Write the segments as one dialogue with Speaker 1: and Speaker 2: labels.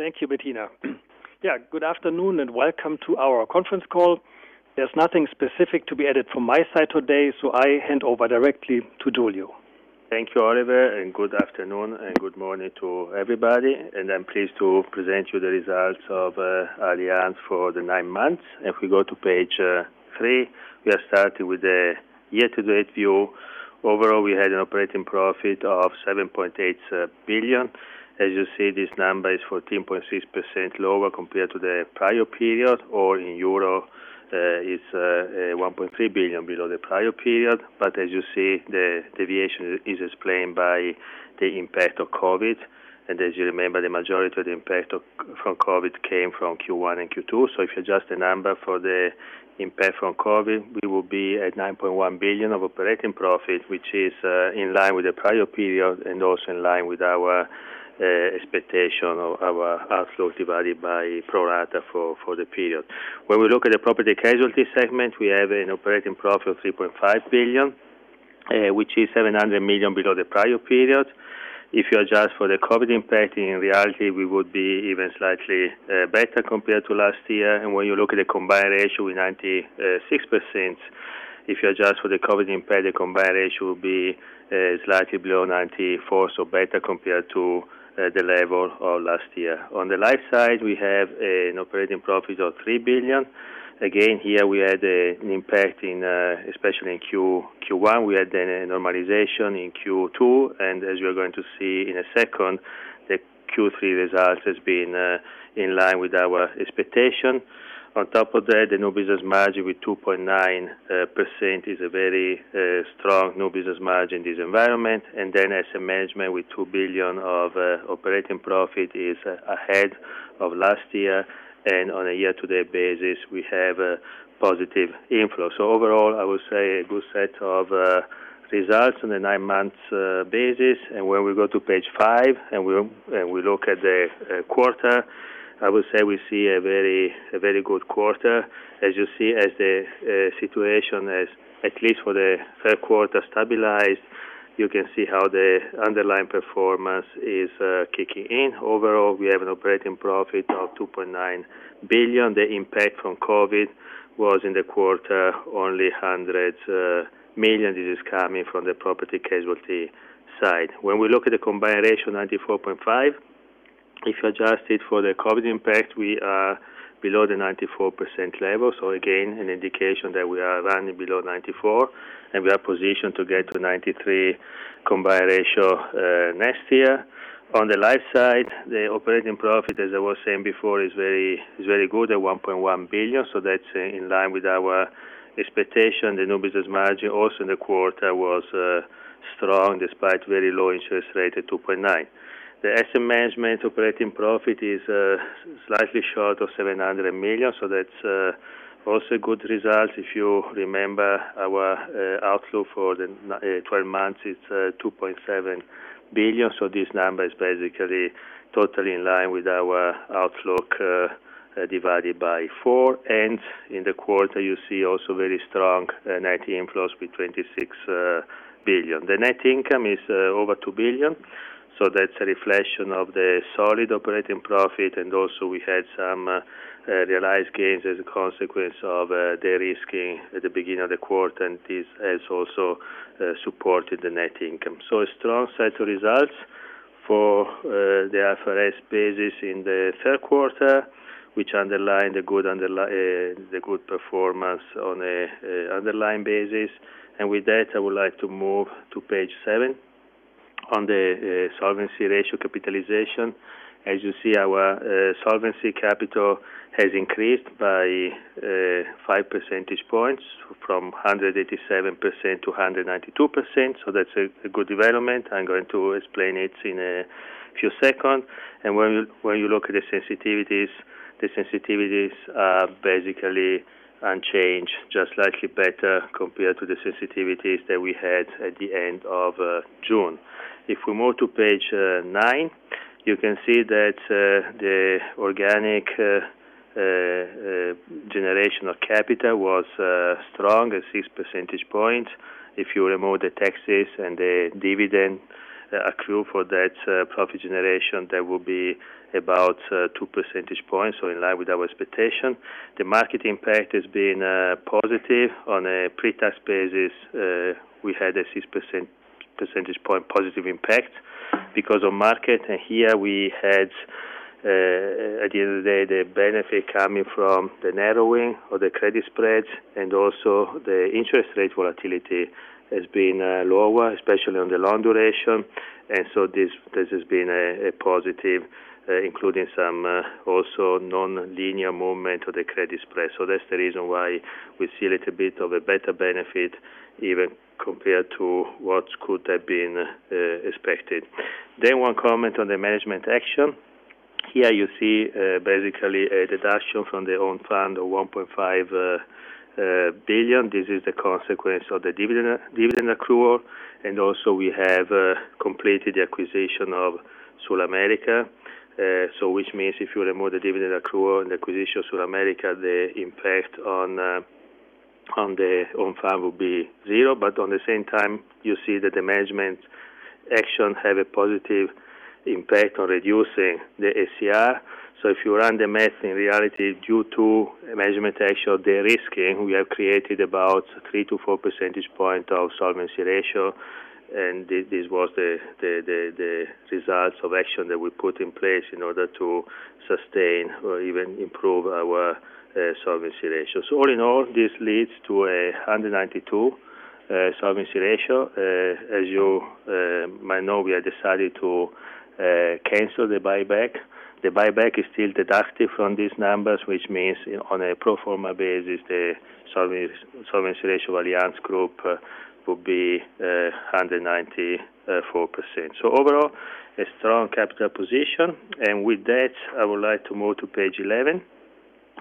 Speaker 1: Thank you, Bettina. Yeah. Good afternoon, welcome to our conference call. There's nothing specific to be added from my side today, I hand over directly to Giulio.
Speaker 2: Thank you, Oliver. Good afternoon and good morning to everybody. I'm pleased to present you the results of Allianz for the nine months. If we go to page three, we are starting with the year-to-date view. Overall, we had an operating profit of 7.8 billion. As you see, this number is 14.6% lower compared to the prior period or in euro, it's 1.3 billion below the prior period. As you see, the deviation is explained by the impact of COVID. As you remember, the majority of the impact from COVID came from Q1 and Q2. If you adjust the number for the impact from COVID, we will be at 9.1 billion of operating profit, which is in line with the prior period and also in line with our expectation of our outlook divided by pro rata for the period. When we look at the property casualty segment, we have an operating profit of 3.5 billion, which is 700 million below the prior period. If you adjust for the COVID impact, in reality, we would be even slightly better compared to last year. When you look at the combined ratio in 96%, if you adjust for the COVID impact, the combined ratio will be slightly below 94, so better compared to the level of last year. On the life side, we have an operating profit of 3 billion. Again, here we had an impact especially in Q1. We had then a normalization in Q2, and as you are going to see in a second, the Q3 results has been in line with our expectation. On top of that, the new business margin with 2.9% is a very strong new business margin in this environment. Asset management with 2 billion of operating profit is ahead of last year, and on a year-to-date basis, we have a positive inflow. Overall, I would say a good set of results on the nine-month basis. When we go to page five, we look at the quarter, I would say we see a very good quarter. As you see, as the situation is, at least for the third quarter, stabilized, you can see how the underlying performance is kicking in. Overall, we have an operating profit of 2.9 billion. The impact from COVID was in the quarter only hundreds of millions. This is coming from the property casualty side. When we look at the combined ratio, 94.5%, if you adjust it for the COVID impact, we are below the 94% level. Again, an indication that we are running below 94%, and we are positioned to get to 93% combined ratio next year. On the life side, the operating profit, as I was saying before, is very good at 1.1 billion. That's in line with our expectation. The new business margin also in the quarter was strong despite very low interest rate at 2.9%. The asset management operating profit is slightly short of 700 million. That's also good results. If you remember our outlook for the 12 months, it's 2.7 billion. This number is basically totally in line with our outlook divided by four. In the quarter, you see also very strong net inflows with 26 billion. The net income is over 2 billion. That's a reflection of the solid operating profit. We had some realized gains as a consequence of de-risking at the beginning of the quarter, and this has also supported the net income. A strong set of results for the IFRS basis in the third quarter, which underline the good performance on an underlying basis. With that, I would like to move to page seven. On the solvency ratio capitalization, as you see, our solvency capital has increased by 5 percentage points from 187% to 192%, that's a good development. I am going to explain it in a few second. When you look at the sensitivities, the sensitivities are basically unchanged, just slightly better compared to the sensitivities that we had at the end of June. If we move to page nine, you can see that the organic generation of capital was strong at 6 percentage points. If you remove the taxes and the dividend accrue for that profit generation, that will be about 2 percentage points, so in line with our expectation. The market impact has been positive. On a pre-tax basis, we had a 6 percentage point positive impact. Because of market, here we had, at the end of the day, the benefit coming from the narrowing of the credit spreads and also the interest rate volatility has been lower, especially on the long duration. This has been a positive including some also non-linear movement of the credit spread. That's the reason why we see a little bit of a better benefit even compared to what could have been expected. One comment on the management action. Here you see basically a deduction from the own fund of 1.5 billion. This is the consequence of the dividend accrual, and also we have completed the acquisition of SulAmérica. Which means if you remove the dividend accrual and acquisition of SulAmérica, the impact on the own fund will be zero. On the same time, you see that the management action have a positive impact on reducing the SCR. If you run the math, in reality, due to management action, the de-risking, we have created about 3 to 4 percentage point of solvency ratio. This was the results of action that we put in place in order to sustain or even improve our solvency ratio. All in all, this leads to 192 solvency ratio. As you might know, we have decided to cancel the buyback. The buyback is still deducted from these numbers, which means on a pro forma basis, the solvency ratio of Allianz Group will be 194%. Overall, a strong capital position. With that, I would like to move to page 11,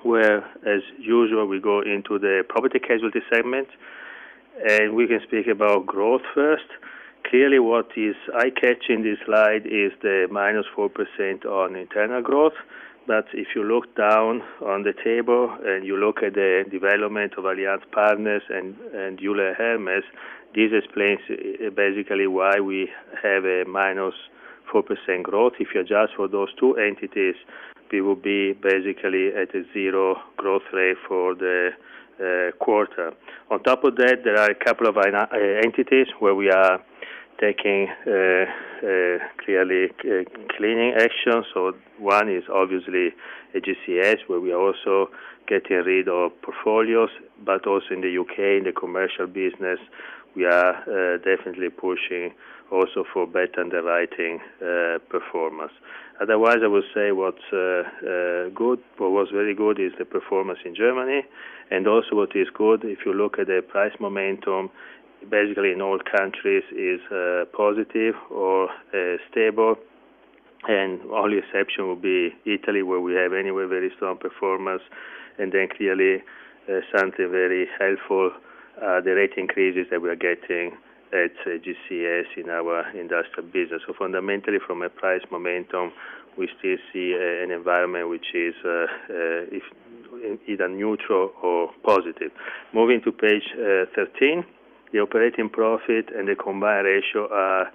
Speaker 2: where as usual, we go into the property casualty segment, and we can speak about growth first. Clearly, what is eye-catching in this slide is the -4% on internal growth. If you look down on the table and you look at the development of Allianz Partners and Euler Hermes, this explains basically why we have a -4% growth. If you adjust for those two entities, we will be basically at a zero growth rate for the quarter. On top of that, there are a couple of entities where we are taking clearly cleaning actions. One is obviously AGCS, where we are also getting rid of portfolios. Also in the U.K., in the commercial business, we are definitely pushing also for better underwriting performance. Otherwise, I will say what's very good is the performance in Germany. Also what is good, if you look at the price momentum, basically in all countries is positive or stable, and only exception will be Italy, where we have anyway very strong performance. Clearly, something very helpful, the rate increases that we are getting at AGCS in our industrial business. Fundamentally, from a price momentum, we still see an environment which is either neutral or positive. Moving to page 13, the operating profit and the combined ratio are,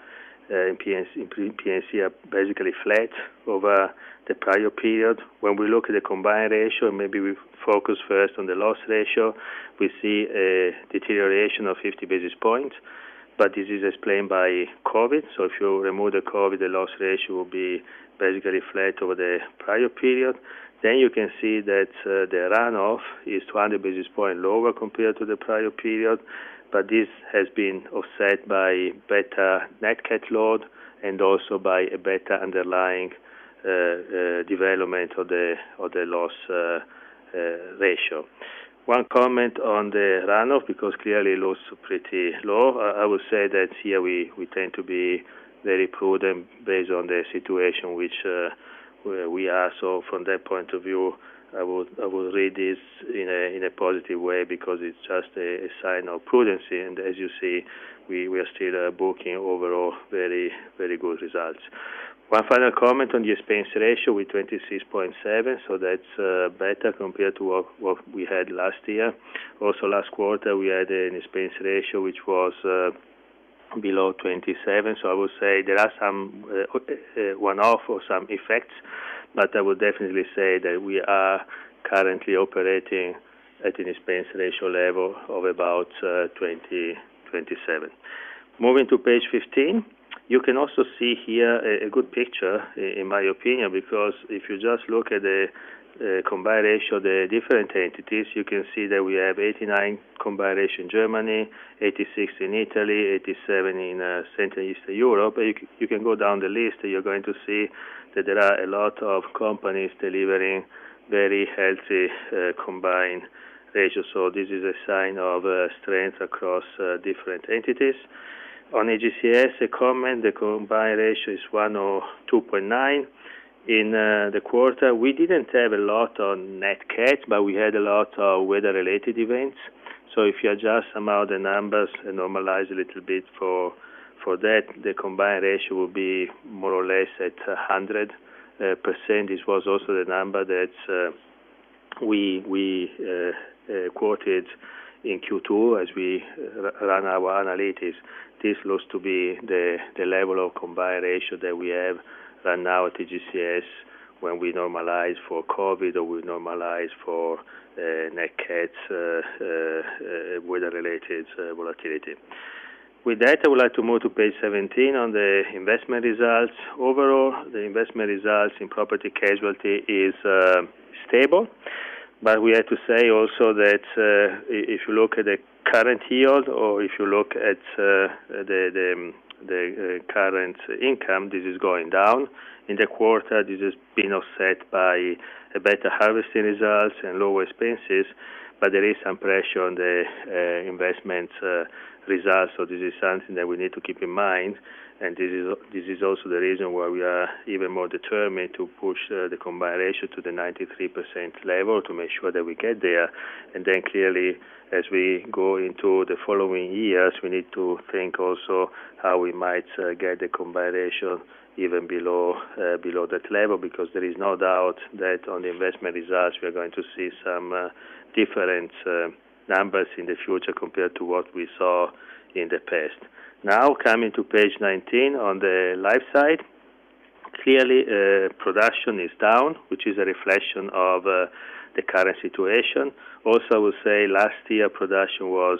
Speaker 2: in P&C, are basically flat over the prior period. When we look at the combined ratio, maybe we focus first on the loss ratio. We see a deterioration of 50 basis points, this is explained by COVID. If you remove the COVID, the loss ratio will be basically flat over the prior period. You can see that the run-off is 200 basis points lower compared to the prior period. This has been offset by better net cat load and also by a better underlying development of the loss ratio. One comment on the run-off, because clearly loss ratio pretty low. I would say that here we tend to be very prudent based on the situation which we are. From that point of view, I would read this in a positive way because it's just a sign of prudence. As you see, we are still booking overall very good results. One final comment on the expense ratio with 26.7%. That's better compared to what we had last year. Last quarter, we had an expense ratio which was below 27%. I would say there are some one-off or some effects, but I would definitely say that we are currently operating at an expense ratio level of about 27%. Moving to page 15. You can also see here a good picture, in my opinion, because if you just look at the combined ratio of the different entities, you can see that we have 89% combined ratio in Germany, 86% in Italy, 87% in Central and Eastern Europe. You can go down the list, and you're going to see that there are a lot of companies delivering very healthy combined ratio. This is a sign of strength across different entities. On AGCS, a comment, the combined ratio is 102.9%. In the quarter, we didn't have a lot on net cats, but we had a lot of weather-related events. If you adjust some of the numbers and normalize a little bit for that, the combined ratio will be more or less at 100%. This was also the number that we quoted in Q2 as we run our analytics. This looks to be the level of combined ratio that we have right now at AGCS when we normalize for COVID or we normalize for net cats, weather-related volatility. With that, I would like to move to page 17 on the investment results. Overall, the investment results in property casualty is stable. We have to say also that if you look at the current yield or if you look at the current income, this is going down. In the quarter, this has been offset by better harvesting results and lower expenses, but there is some pressure on the investment results. This is something that we need to keep in mind, and this is also the reason why we are even more determined to push the combined ratio to the 93% level to make sure that we get there. Then clearly, as we go into the following years, we need to think also how we might get the combined ratio even below that level, because there is no doubt that on the investment results, we are going to see some different numbers in the future compared to what we saw in the past. Coming to page 19 on the Life side. Clearly, production is down, which is a reflection of the current situation. I will say last year production was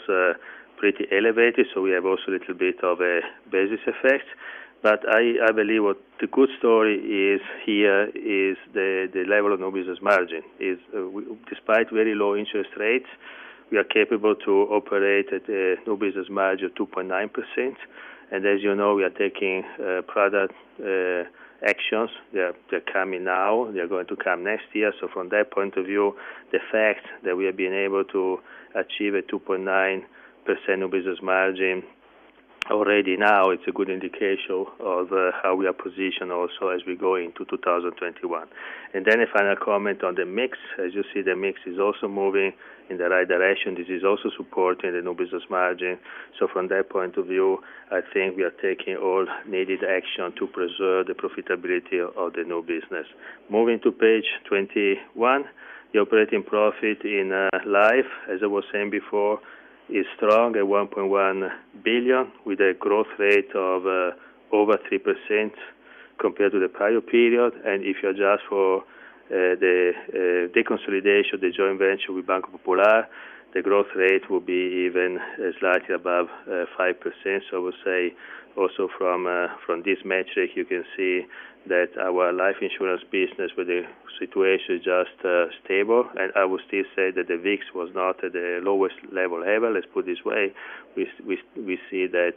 Speaker 2: pretty elevated, so we have also a little bit of a basis effect. I believe what the good story is here is the level of new business margin. Despite very low interest rates, we are capable to operate at a new business margin of 2.9%. As you know, we are taking product actions. They're coming now, they're going to come next year. From that point of view, the fact that we have been able to achieve a 2.9% new business margin already now, it's a good indication of how we are positioned also as we go into 2021. A final comment on the mix. As you see, the mix is also moving in the right direction. This is also supporting the new business margin. From that point of view, I think we are taking all needed action to preserve the profitability of the new business. Moving to page 21. The operating profit in Life, as I was saying before, is strong at 1.1 billion, with a growth rate of over 3% compared to the prior period. If you adjust for the deconsolidation, the joint venture with Banco Popular, the growth rate will be even slightly above 5%. I will say also from this metric, you can see that our life insurance business with the situation is just stable. I would still say that the VIX was not at the lowest level ever. Let's put it this way, we see that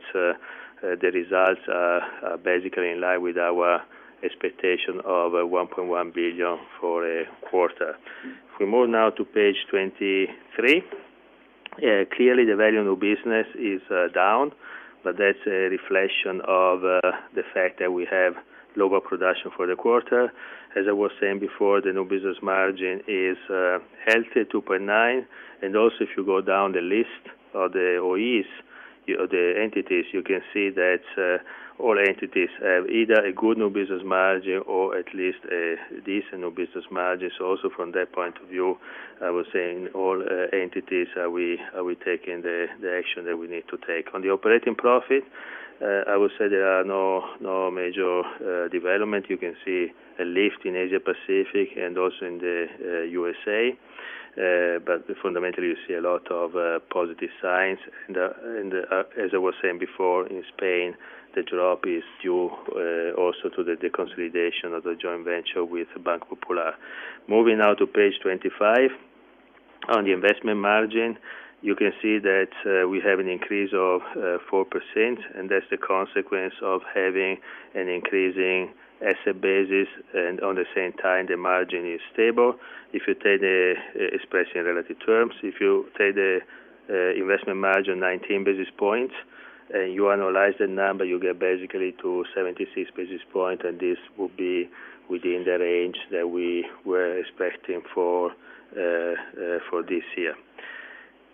Speaker 2: the results are basically in line with our expectation of 1.1 billion for a quarter. If we move now to page 23. Clearly the value of new business is down, but that's a reflection of the fact that we have lower production for the quarter. As I was saying before, the new business margin is healthy at 2.9%. Also, if you go down the list of the OEs, the entities, you can see that all entities have either a good new business margin or at least a decent new business margin. Also from that point of view, I was saying all entities are taking the action that we need to take. On the operating profit, I would say there are no major developments. You can see a lift in Asia Pacific and also in the USA Fundamentally, you see a lot of positive signs. As I was saying before, in Spain, the drop is due also to the deconsolidation of the joint venture with Banco Popular. Moving now to page 25. On the investment margin, you can see that we have an increase of 4%. That's the consequence of having an increasing asset basis. On the same time, the margin is stable. If you take the expression in relative terms, if you take the investment margin 19 basis points, you annualize the number, you get basically to 76 basis points. This will be within the range that we were expecting for this year.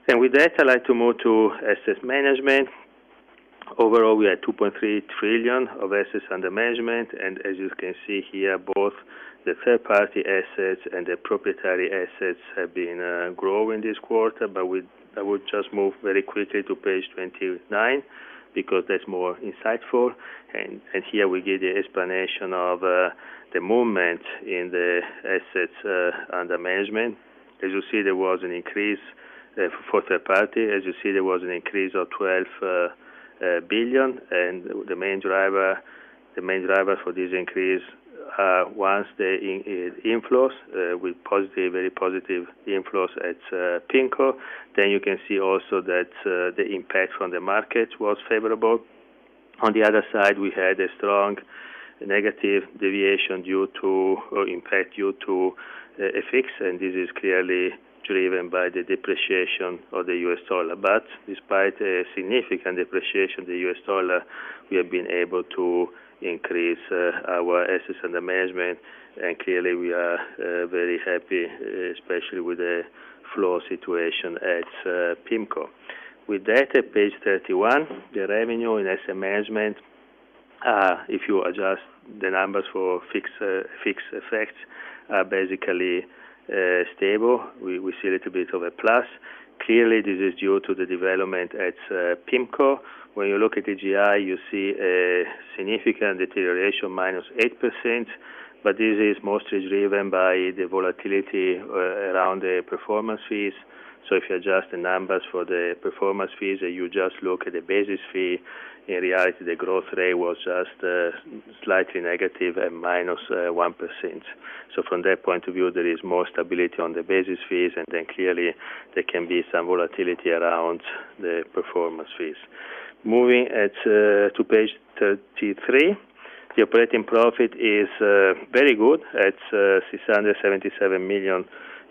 Speaker 2: With that, I'd like to move to asset management. Overall, we are 2.3 trillion of assets under management. As you can see here, both the third-party assets and the proprietary assets have been growing this quarter. I would just move very quickly to page 29, because that's more insightful. Here we give the explanation of the movement in the assets under management. As you see, there was an increase for third party. As you see, there was an increase of 12 billion. The main driver for this increase, was the inflows, with very positive inflows at PIMCO. You can see also that the impact from the market was favorable. On the other side, we had a strong negative deviation or impact due to FX. This is clearly driven by the depreciation of the US dollar. Despite a significant depreciation of the US dollar, we have been able to increase our assets under management. Clearly we are very happy, especially with the flow situation at PIMCO. With that, at page 31, the revenue in asset management, if you adjust the numbers for fixed effects, are basically stable. We see a little bit of a plus. Clearly this is due to the development at PIMCO. When you look at AGI, you see a significant deterioration, -8%, but this is mostly driven by the volatility around the performance fees. If you adjust the numbers for the performance fees, you just look at the basis fee. In reality, the growth rate was just slightly negative at -1%. From that point of view, there is more stability on the basis fees, and then clearly there can be some volatility around the performance fees. Moving to page 33. The operating profit is very good at 677 million euro.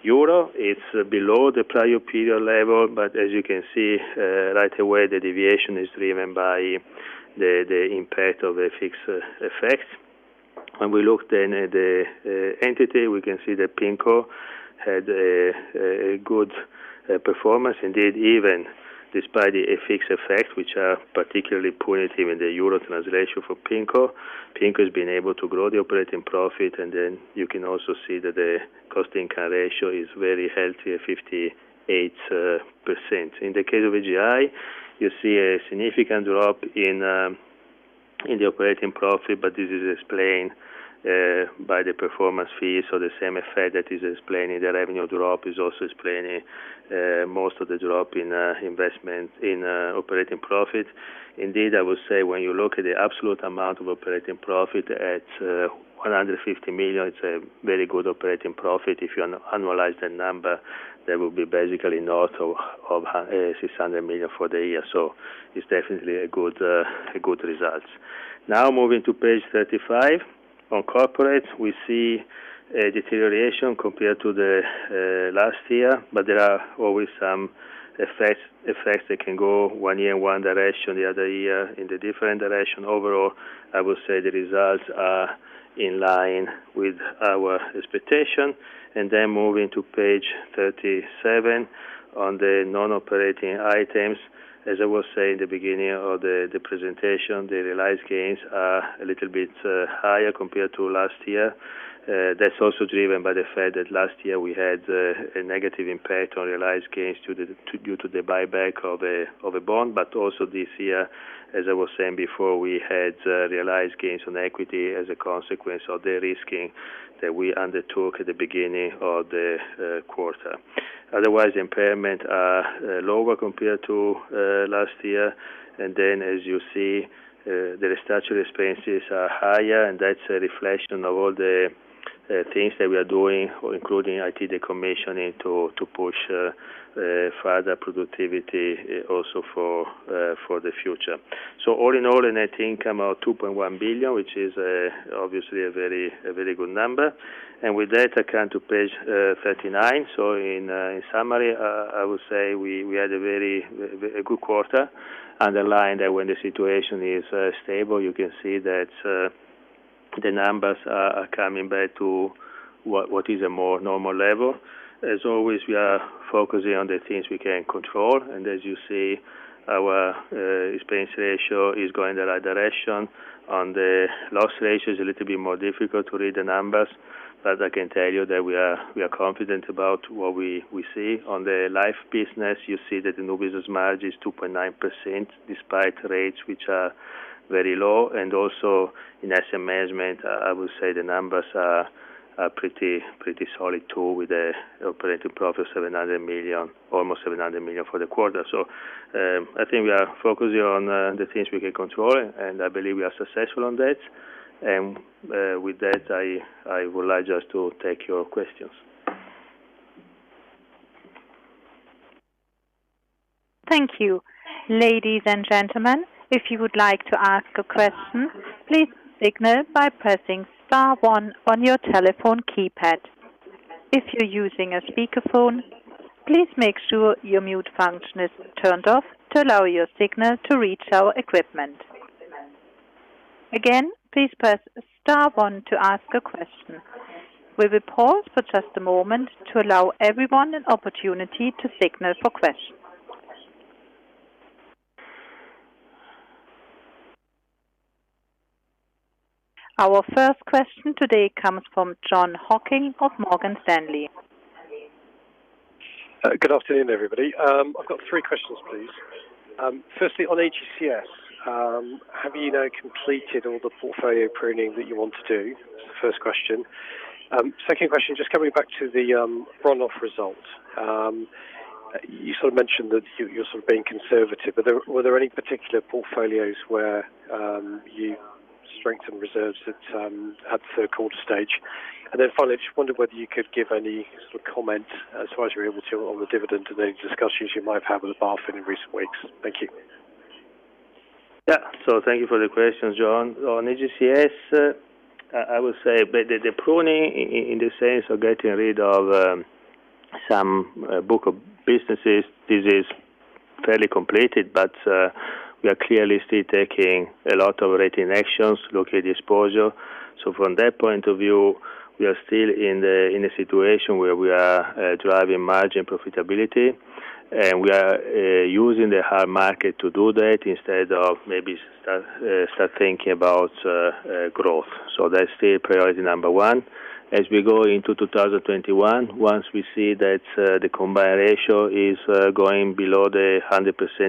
Speaker 2: It's below the prior period level, but as you can see right away, the deviation is driven by the impact of FX effects. When we look then at the entity, we can see that PIMCO had a good performance. Even despite the FX effects, which are particularly punitive in the euro translation for PIMCO has been able to grow the operating profit. You can also see that the cost-income ratio is very healthy at 58%. In the case of AGI, you see a significant drop in the operating profit, this is explained by the performance fees. The same effect that is explaining the revenue drop is also explaining most of the drop in investment in operating profit. I would say when you look at the absolute amount of operating profit at 150 million, it's a very good operating profit. If you annualize the number, that would be basically north of 600 million for the year. It's definitely a good result. Moving to page 35. On corporate, we see a deterioration compared to the last year, but there are always some effects that can go one year in one direction, the other year in the different direction. Overall, I would say the results are in line with our expectation. Moving to page 37 on the non-operating items. As I was saying at the beginning of the presentation, the realized gains are a little bit higher compared to last year. That's also driven by the fact that last year we had a negative impact on realized gains due to the buyback of a bond, but also this year, as I was saying before, we had realized gains on equity as a consequence of the risking that we undertook at the beginning of the quarter. Impairment are lower compared to last year. As you see, the structural expenses are higher, and that's a reflection of all the things that we are doing, including IT decommissioning to push further productivity also for the future. All in all, a net income of 2.1 billion, which is obviously a very good number. With that, I come to page 39. In summary, I would say we had a very good quarter underlined that when the situation is stable, you can see that the numbers are coming back to what is a more normal level. As always, we are focusing on the things we can control. As you see, our expense ratio is going the right direction. On the loss ratio is a little bit more difficult to read the numbers. I can tell you that we are confident about what we see. On the life business, you see that the new business margin is 2.9%, despite rates which are very low. Also in asset management, I would say the numbers are pretty solid too, with the operating profit almost 700 million for the quarter. I think we are focusing on the things we can control, and I believe we are successful on that. With that, I would like just to take your questions.
Speaker 3: Thank you. Ladies and gentlemen, if you would like to ask a question, please signal by pressing star one on your telephone keypad. If you're using a speakerphone, please make sure your mute function is turned off to allow your signal to reach our equipment. Again, please press star one to ask a question. We will pause for just a moment to allow everyone an opportunity to signal for questions. Our first question today comes from Jon Hocking of Morgan Stanley.
Speaker 4: Good afternoon, everybody. I've got three questions, please. Firstly, on AGCS, have you now completed all the portfolio pruning that you want to do? First question. Second question, just coming back to the run-off result. You sort of mentioned that you're sort of being conservative, but were there any particular portfolios where you strengthened reserves at third quarter stage? Finally, just wondered whether you could give any sort of comment, as far as you're able to, on the dividend and any discussions you might have had with BaFin in recent weeks. Thank you.
Speaker 2: Thank you for the questions, Jon. On AGCS, I would say the pruning in the sense of getting rid of some book of businesses, this is fairly completed, but we are clearly still taking a lot of retention actions, locally disposal. From that point of view, we are still in a situation where we are driving margin profitability, and we are using the hard market to do that instead of maybe start thinking about growth. That's still priority number one. As we go into 2021, once we see that the combined ratio is going below the 100%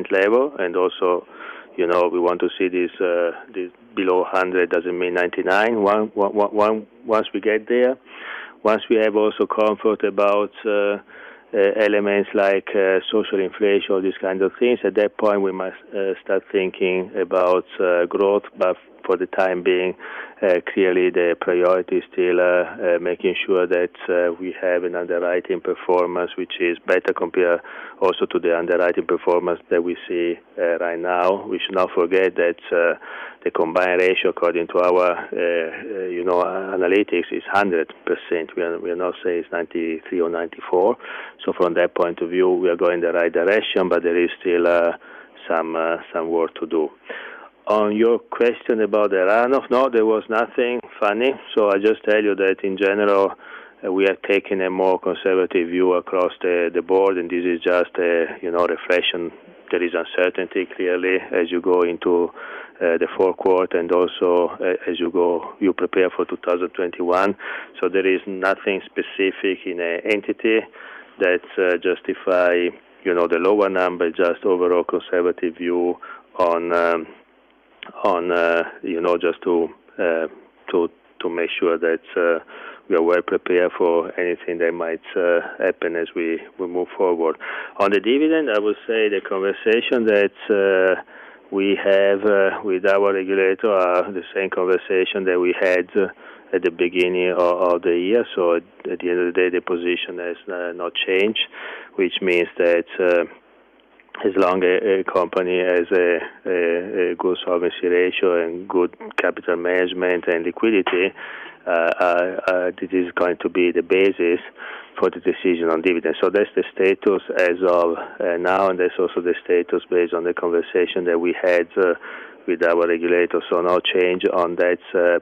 Speaker 2: level, and also we want to see this below 100%, doesn't mean 99%. Once we get there, once we have also comfort about elements like social inflation or these kind of things, at that point, we must start thinking about growth. For the time being, clearly the priority is still making sure that we have an underwriting performance, which is better compared also to the underwriting performance that we see right now. We should not forget that the combined ratio according to our analytics is 100%. We are not saying it's 93% or 94%. From that point of view, we are going the right direction, but there is still some work to do. On your question about the run-off, no, there was nothing funny. I just tell you that in general, we are taking a more conservative view across the board, and this is just a reflection. There is uncertainty, clearly, as you go into the fourth quarter and also as you prepare for 2021. There is nothing specific in an entity that justifies the lower number, just overall conservative view just to make sure that we are well prepared for anything that might happen as we move forward. On the dividend, I would say the conversation that we have with our regulator are the same conversation that we had at the beginning of the year. At the end of the day, the position has not changed, which means that as long a company has a good solvency ratio and good capital management and liquidity, this is going to be the basis for the decision on dividends. That's the status as of now, and that's also the status based on the conversation that we had with our regulators. No change on that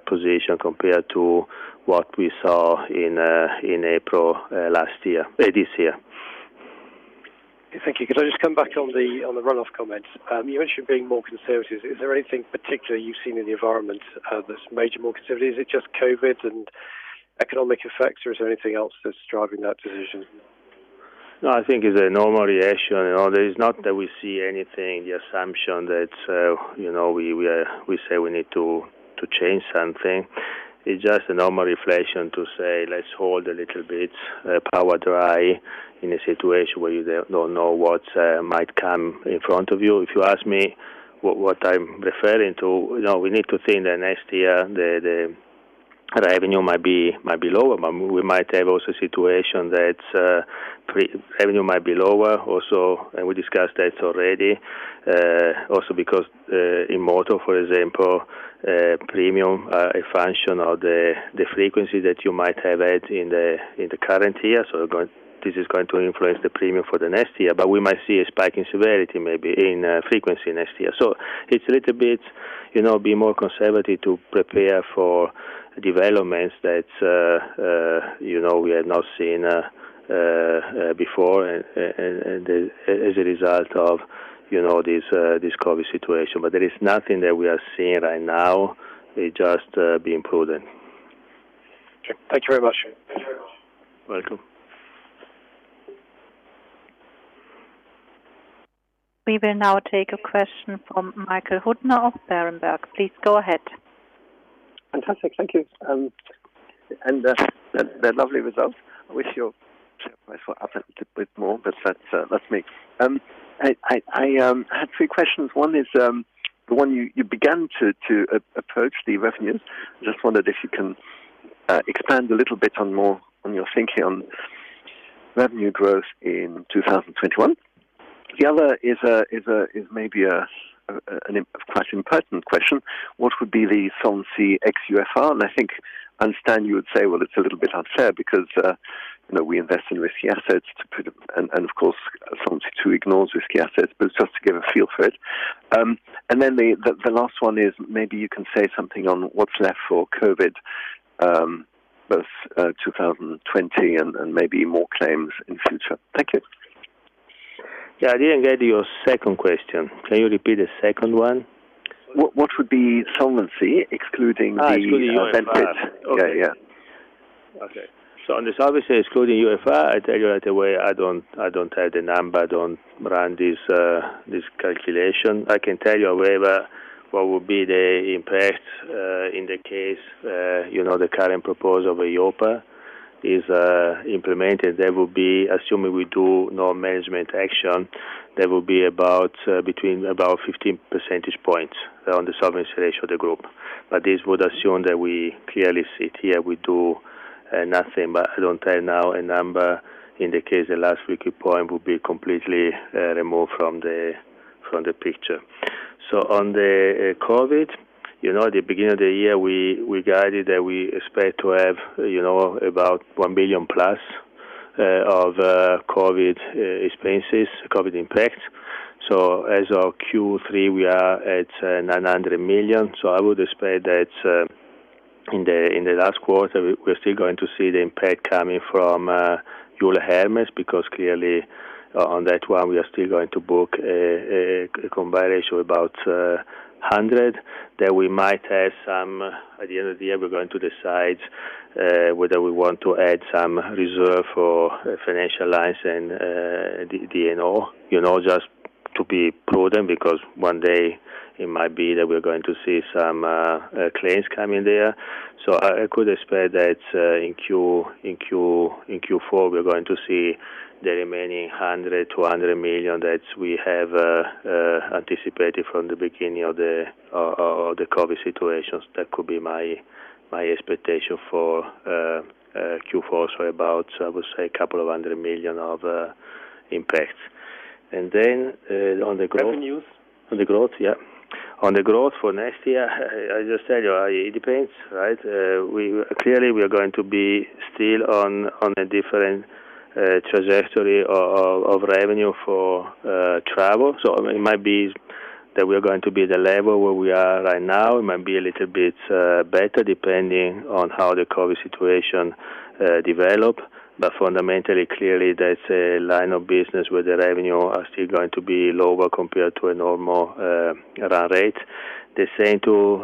Speaker 2: position compared to what we saw in April this year.
Speaker 4: Thank you. Could I just come back on the run-off comments? You mentioned being more conservative. Is there anything particular you've seen in the environment that's made you more conservative? Is it just COVID and economic effects, or is there anything else that's driving that decision?
Speaker 2: No, I think it is a normal reaction. It is not that we see anything, the assumption that we say we need to change something. It is just a normal reflection to say, let's hold a little bit power dry in a situation where you don't know what might come in front of you. If you ask me what I am referring to, we need to think that next year the revenue might be lower. We might have also a situation that revenue might be lower, and we discussed that already. Because in motor, for example, premium, a function of the frequency that you might have had in the current year. This is going to influence the premium for the next year. We might see a spike in severity, maybe in frequency next year. It's a little bit, be more conservative to prepare for developments that we had not seen before as a result of this COVID situation. There is nothing that we are seeing right now. We are just being prudent.
Speaker 4: Okay. Thank you very much.
Speaker 2: Welcome.
Speaker 3: We will now take a question from Michael Huttner of Berenberg. Please go ahead.
Speaker 5: Fantastic. Thank you. They're lovely results. I wish your share price were up a little bit more, but that's me. I had three questions. One is the one you began to approach the revenues. I just wondered if you can expand a little bit on your thinking on revenue growth in 2021. Other is maybe quite an impertinent question. What would be the solvency ex UFR? I think I understand you would say, well, it's a little bit unfair because we invest in risky assets, and of course, Solvency II ignores risky assets, but it's just to get a feel for it. Then the last one is maybe you can say something on what's left for COVID, both 2020 and maybe more claims in future. Thank you.
Speaker 2: Yeah. I didn't get your second question. Can you repeat the second one?
Speaker 5: What would be solvency excluding the-
Speaker 2: Excluding UFR.
Speaker 5: Yeah.
Speaker 2: Okay. On the solvency excluding UFR, I tell you right away, I don't have the number. I don't run this calculation. I can tell you however, what will be the impact in the case the current proposal of EIOPA is implemented. Assuming we do no management action, that will be between about 50 percentage points on the solvency ratio of the group. This would assume that we clearly sit here, we do nothing. I don't have now a number in the case the last liquid point will be completely removed from the picture. On the COVID, at the beginning of the year, we guided that we expect to have about 1+ billion of COVID expenses, COVID impact. As of Q3, we are at 900 million. I would expect that in the last quarter, we're still going to see the impact coming from Euler Hermes, because clearly on that one, we are still going to book a combined ratio about 100%. We might have some, at the end of the year, we're going to decide whether we want to add some reserve for financial lines and D&O. Just to be prudent, because one day it might be that we're going to see some claims coming there. I could expect that in Q4, we're going to see the remaining 100 million-200 million that we have anticipated from the beginning of the COVID situation. That could be my expectation for Q4. About, I would say, a couple of hundred million of impact.
Speaker 5: Revenues.
Speaker 2: On the growth. On the growth for next year, as I said, it depends. Clearly, we are going to be still on a different trajectory of revenue for travel. It might be that we're going to be at the level where we are right now. It might be a little bit better, depending on how the COVID situation develop. Fundamentally, clearly, that's a line of business where the revenue are still going to be lower compared to a normal run rate. The same to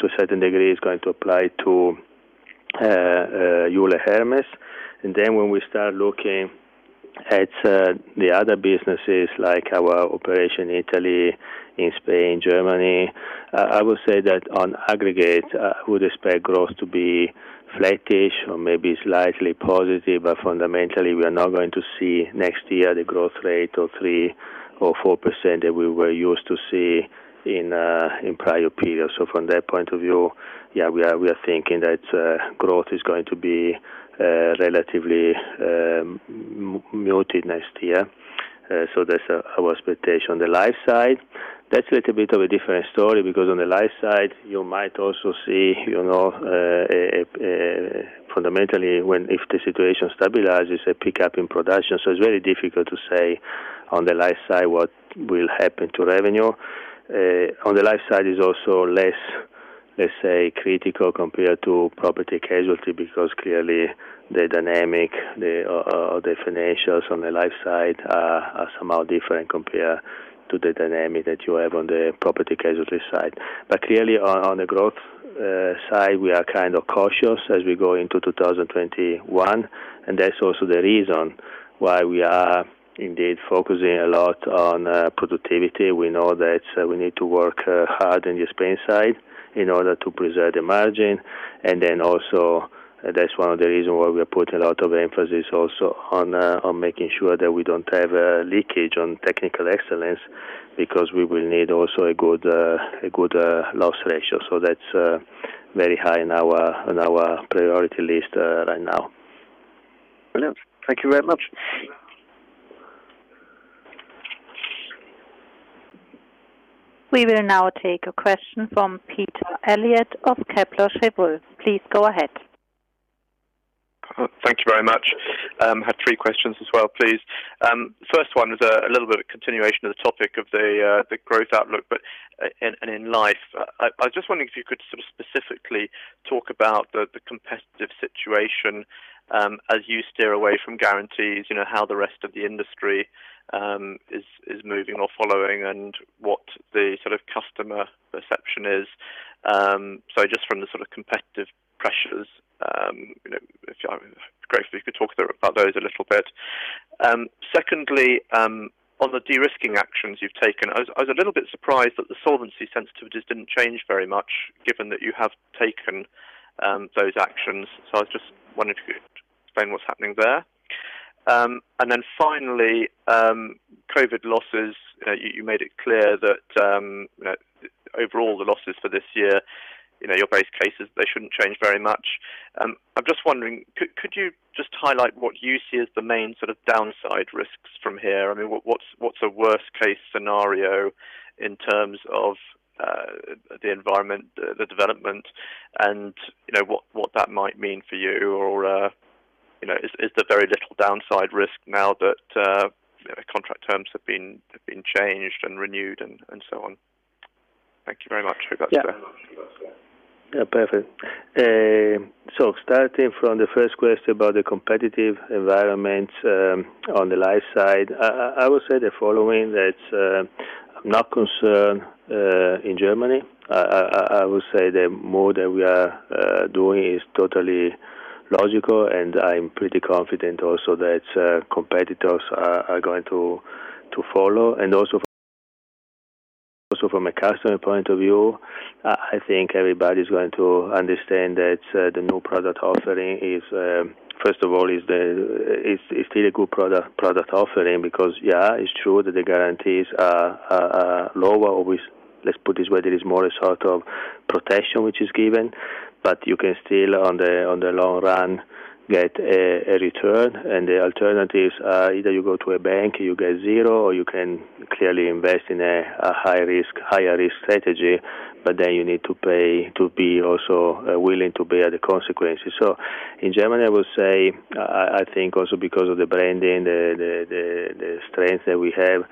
Speaker 2: a certain degree is going to apply to Euler Hermes. When we start looking at the other businesses like our operation in Italy, in Spain, Germany, I would say that on aggregate, I would expect growth to be flattish or maybe slightly positive. Fundamentally, we are not going to see next year the growth rate of 3% or 4% that we were used to see in prior periods. From that point of view, yeah, we are thinking that growth is going to be relatively muted next year. That's our expectation. The life side, that's a little bit of a different story, because on the life side, you might also see fundamentally, if the situation stabilizes, a pickup in production. It's very difficult to say on the life side what will happen to revenue. On the life side, it's also less, let's say, critical compared to property casualty, because clearly the dynamic, the financials on the life side are somehow different compared to the dynamic that you have on the property casualty side. Clearly on the growth side, we are kind of cautious as we go into 2021, and that's also the reason why we are indeed focusing a lot on productivity. We know that we need to work hard on the expense side in order to preserve the margin. That's one of the reasons why we are putting a lot of emphasis also on making sure that we don't have a leakage on technical excellence, because we will need also a good loss ratio. That's very high on our priority list right now.
Speaker 5: Brilliant. Thank you very much.
Speaker 3: We will now take a question from Peter Elliott of Kepler Cheuvreux. Please go ahead.
Speaker 6: Thank you very much. I have three questions as well, please. First one is a little bit of a continuation of the topic of the growth outlook, and in life. I was just wondering if you could sort of specifically talk about the competitive situation as you steer away from guarantees, how the rest of the industry is moving or following and what the sort of customer perception is. Just from the sort of competitive pressures, if you could talk about those a little bit. Secondly, on the de-risking actions you've taken, I was a little bit surprised that the solvency sensitivities didn't change very much given that you have taken those actions. I was just wondering if you could explain what's happening there. Then finally, COVID losses. You made it clear that overall the losses for this year, your base cases, they shouldn't change very much. I'm just wondering, could you just highlight what you see as the main sort of downside risks from here? I mean, what's a worst case scenario in terms of the environment, the development, and what that might mean for you, or is there very little downside risk now that contract terms have been changed and renewed and so on? Thank you very much.
Speaker 2: Yeah. Perfect. Starting from the first question about the competitive environment on the life side, I would say the following, that I am not concerned in Germany. I would say the mode that we are doing is totally logical, and I am pretty confident also that competitors are going to follow. Also from a customer point of view, I think everybody is going to understand that the new product offering, first of all, is still a good product offering because, yeah, it's true that the guarantees are lower. Let's put it this way, there is more a sort of protection which is given, but you can still, on the long run, get a return. The alternatives are either you go to a bank, you get zero, or you can clearly invest in a higher risk strategy, but then you need to be also willing to bear the consequences. In Germany, I would say, I think also because of the branding, the strength that we have,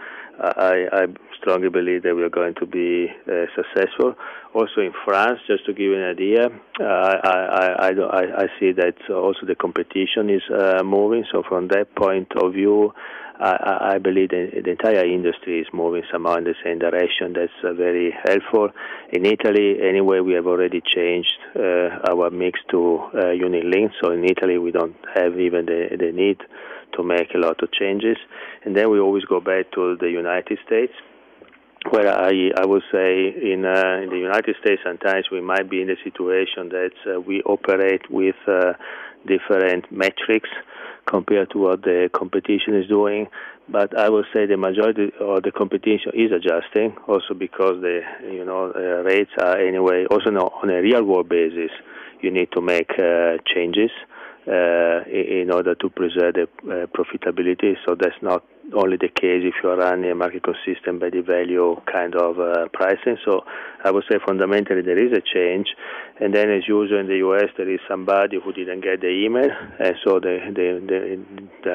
Speaker 2: I strongly believe that we are going to be successful. Also in France, just to give you an idea, I see that also the competition is moving. From that point of view, I believe the entire industry is moving somehow in the same direction. That's very helpful. In Italy, anyway, we have already changed our mix to unit links. In Italy, we don't have even the need to make a lot of changes. Then we always go back to the United States, where I would say in the United States, sometimes we might be in a situation that we operate with different metrics compared to what the competition is doing. I would say the majority of the competition is adjusting also because the rates are anyway also not on a real-world basis, you need to make changes in order to preserve the profitability. That's not only the case if you are running a market consistent embedded value kind of pricing. I would say fundamentally, there is a change. As usual in the U.S., there is somebody who didn't get the email. There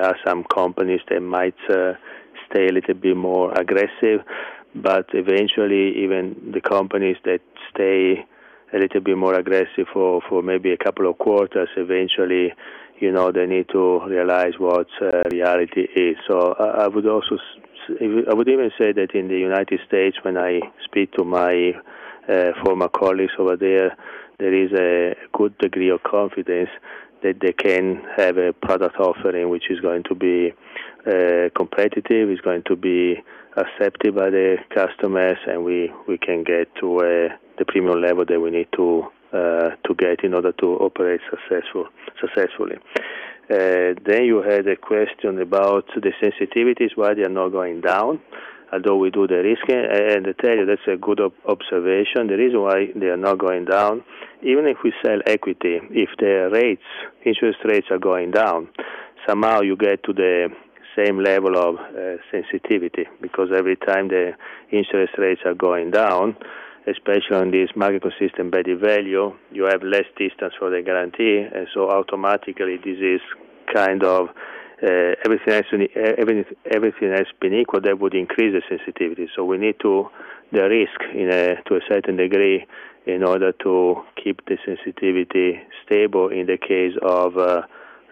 Speaker 2: are some companies that might stay a little bit more aggressive. Eventually, even the companies that stay a little bit more aggressive for maybe a couple of quarters, eventually they need to realize what reality is. I would even say that in the U.S., when I speak to my former colleagues over there is a good degree of confidence that they can have a product offering, which is going to be competitive, is going to be accepted by the customers, and we can get to the premium level that we need to get in order to operate successfully. You had a question about the sensitivities, why they're not going down, although we do the risk. I tell you, that's a good observation. The reason why they are not going down, even if we sell equity, if their interest rates are going down, somehow you get to the same level of sensitivity, because every time the interest rates are going down, especially on this market consistent by the value, you have less distance for the guarantee. Automatically, everything has been equal, that would increase the sensitivity. We need the risk to a certain degree in order to keep the sensitivity stable in the case of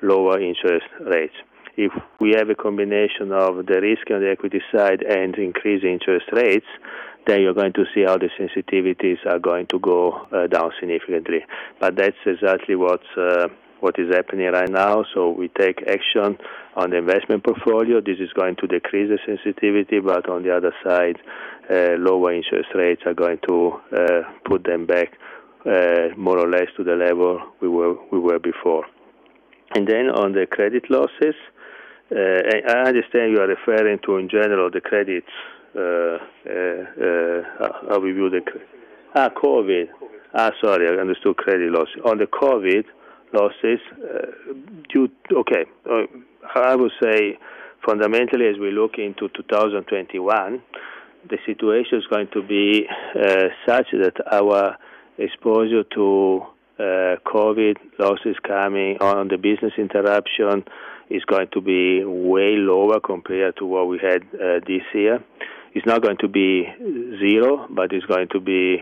Speaker 2: lower interest rates. If we have a combination of the risk on the equity side and increased interest rates, then you're going to see how the sensitivities are going to go down significantly. That's exactly what is happening right now. We take action on the investment portfolio. This is going to decrease the sensitivity, but on the other side, lower interest rates are going to put them back more or less to the level we were before. Then on the credit losses, I understand you are referring to, in general, the credits. How we view the COVID.
Speaker 6: COVID.
Speaker 2: Sorry. I understood credit loss. On the COVID losses. I would say fundamentally, as we look into 2021, the situation is going to be such that our exposure to COVID losses coming on the business interruption is going to be way lower compared to what we had this year. It's not going to be zero, but it's going to be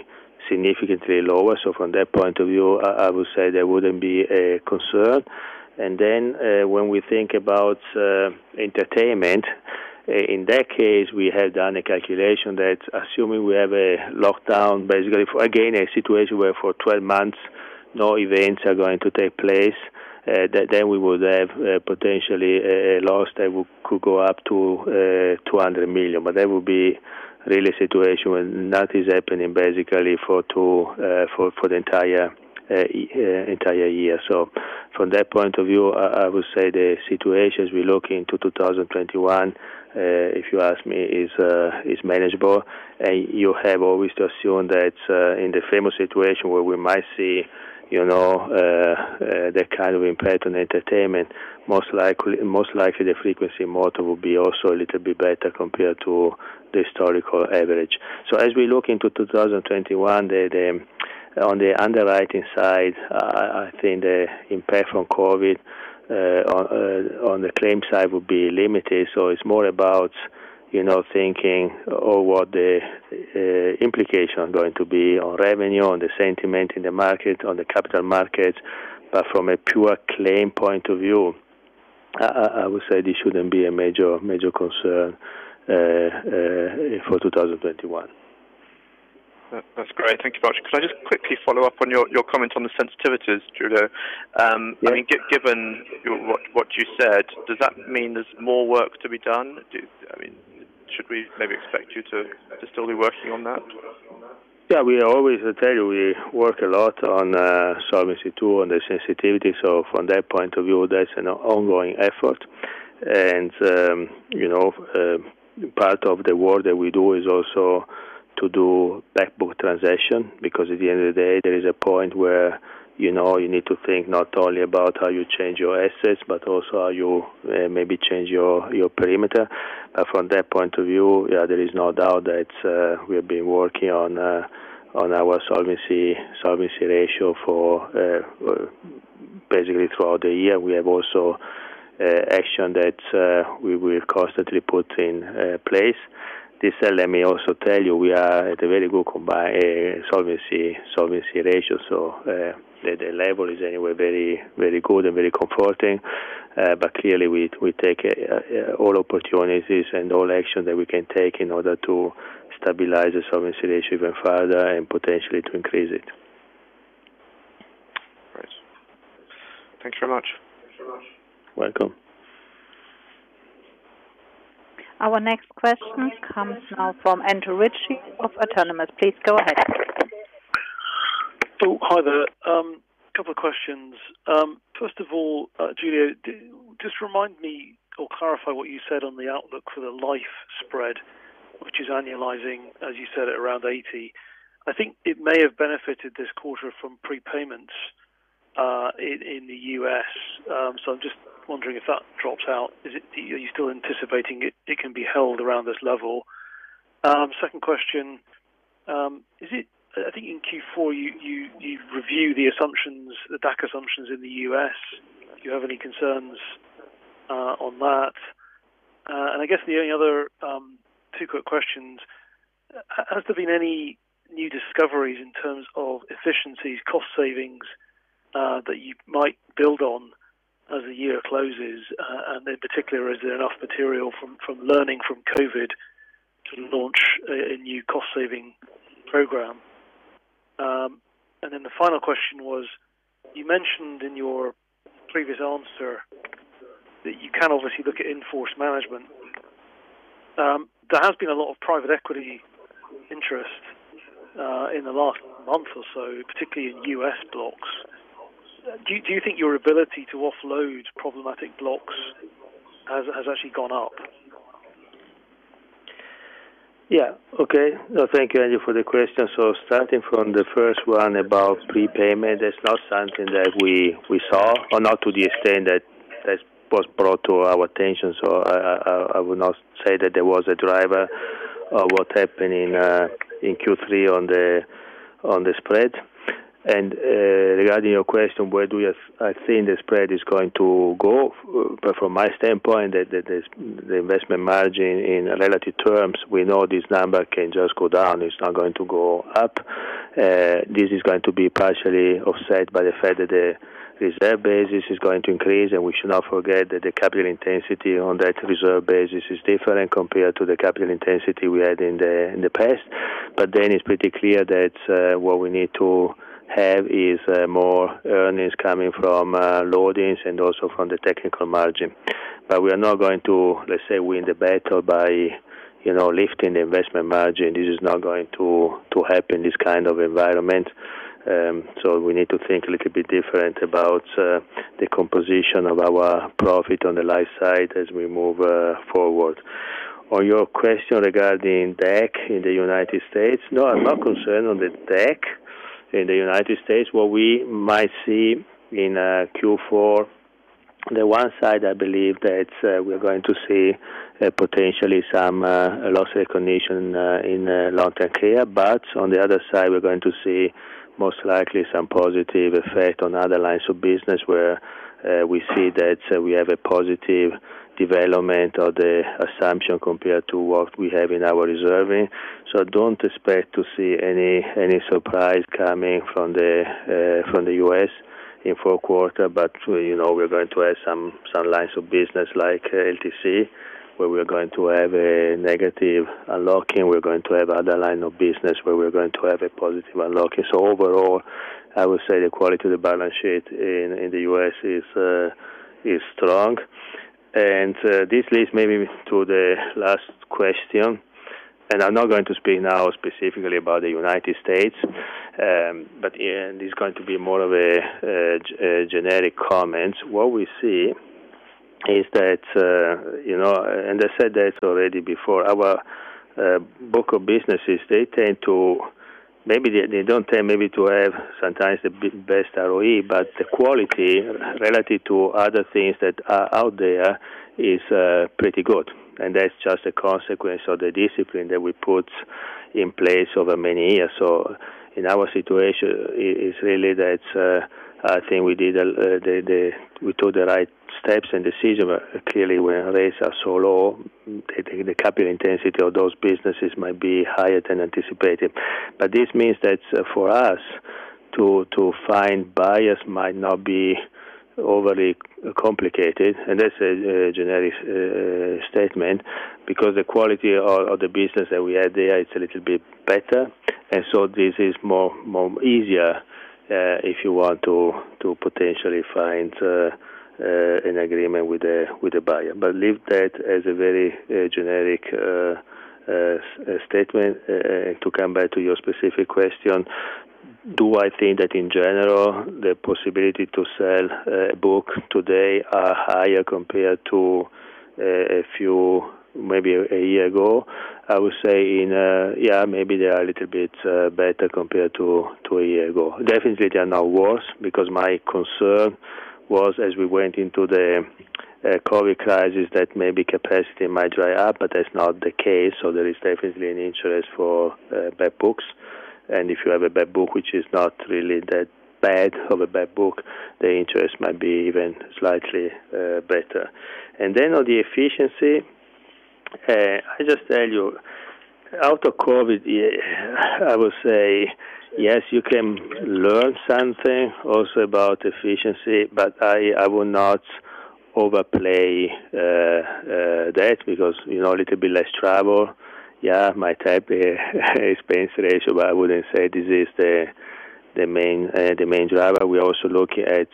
Speaker 2: significantly lower. From that point of view, I would say there wouldn't be a concern. When we think about entertainment, in that case, we have done a calculation that assuming we have a lockdown, basically, again, a situation where for 12 months, no events are going to take place, then we would have potentially a loss that could go up to 200 million. That would be really a situation where nothing's happening, basically, for the entire year. From that point of view, I would say the situation, as we look into 2021, if you ask me, is manageable. You have always to assume that in the famous situation where we might see the kind of impact on entertainment, most likely the frequency model will be also a little bit better compared to the historical average. As we look into 2021, on the underwriting side, I think the impact from COVID on the claim side will be limited. It's more about thinking, oh, what the implication going to be on revenue, on the sentiment in the market, on the capital markets. From a pure claim point of view, I would say this shouldn't be a major concern for 2021.
Speaker 6: That's great. Thank you very much. Could I just quickly follow up on your comment on the sensitivities, Giulio?
Speaker 2: Yeah.
Speaker 6: Given what you said, does that mean there's more work to be done? Should we maybe expect you to still be working on that?
Speaker 2: Yeah, we always tell you we work a lot on Solvency II, on the sensitivity. From that point of view, that's an ongoing effort. Part of the work that we do is also to do back-book transaction, because at the end of the day, there is a point where you need to think not only about how you change your assets, but also how you maybe change your perimeter. From that point of view, there is no doubt that we have been working on our solvency ratio basically throughout the year. We have also action that we will constantly put in place. This let me also tell you, we are at a very good solvency ratio. The level is anyway very good and very comforting. Clearly, we take all opportunities and all action that we can take in order to stabilize the solvency ratio even further and potentially to increase it.
Speaker 6: Great. Thank you very much.
Speaker 2: Welcome.
Speaker 3: Our next question comes now from Andrew Ritchie of Autonomous. Please go ahead.
Speaker 7: Hi there. A couple of questions. First of all, Giulio, just remind me or clarify what you said on the outlook for the life spread, which is annualizing, as you said, at around 80. I think it may have benefited this quarter from prepayments in the U.S., so I'm just wondering if that drops out. Are you still anticipating it can be held around this level? Second question, I think in Q4, you review the DAC assumptions in the U.S. Do you have any concerns on that? I guess the only other two quick questions. Has there been any new discoveries in terms of efficiencies, cost savings, that you might build on as the year closes? In particular, is there enough material from learning from COVID to launch a new cost-saving program? The final question was, you mentioned in your previous answer that you can obviously look at in-force management. There has been a lot of private equity interest in the last month or so, particularly in U.S. blocks. Do you think your ability to offload problematic blocks has actually gone up?
Speaker 2: Yeah. Okay. No, thank you, Andrew, for the question. Starting from the first one about prepayment, that's not something that we saw or not to the extent that was brought to our attention. Regarding your question, where do I think the spread is going to go? From my standpoint, the investment margin in relative terms, we know this number can just go down. It's not going to go up. This is going to be partially offset by the fact that the reserve basis is going to increase, and we should not forget that the capital intensity on that reserve basis is different compared to the capital intensity we had in the past. It's pretty clear that what we need to have is more earnings coming from loadings and also from the technical margin. We are not going to, let's say, win the battle by lifting the investment margin. This is not going to happen in this kind of environment. We need to think a little bit different about the composition of our profit on the life side as we move forward. Your question regarding DAC in the U.S., no, I'm not concerned on the DAC in the U.S. We might see in Q4, the one side, I believe that we're going to see potentially some loss recognition in long-term care. On the other side, we're going to see most likely some positive effect on other lines of business where we see that we have a positive development of the assumption compared to what we have in our reserving. Don't expect to see any surprise coming from the U.S. in four quarter. We're going to have some lines of business like LTC, where we're going to have a negative unlocking. We're going to have other line of business where we're going to have a positive unlocking. Overall, I would say the quality of the balance sheet in the U.S. is strong. This leads maybe to the last question, and I'm not going to speak now specifically about the United States. Yeah, this is going to be more of a generic comment. What we see is that, I said that already before, our book of businesses, they don't tend maybe to have sometimes the best ROE, but the quality relative to other things that are out there is pretty good, and that's just a consequence of the discipline that we put in place over many years. In our situation, it's really that I think we took the right steps and decisions. Clearly, when rates are so low, the capital intensity of those businesses might be higher than anticipated. This means that for us to find buyers might not be overly complicated, and that's a generic statement, because the quality of the business that we have there, it's a little bit better. This is more easier, if you want to potentially find an agreement with a buyer. Leave that as a very generic statement. To come back to your specific question, do I think that in general, the possibility to sell a book today are higher compared to a few, maybe a year ago? Yeah, maybe they are a little bit better compared to a year ago. Definitely they are not worse, because my concern was as we went into the COVID crisis, that maybe capacity might dry up, but that's not the case. There is definitely an interest for back books. If you have a back book, which is not really that bad of a back book, the interest might be even slightly better. Then on the efficiency, I just tell you out of COVID, I would say yes, you can learn something also about efficiency, but I would not overplay that because a little bit less travel. Yeah, my type expense ratio, I wouldn't say this is the main driver. We also look at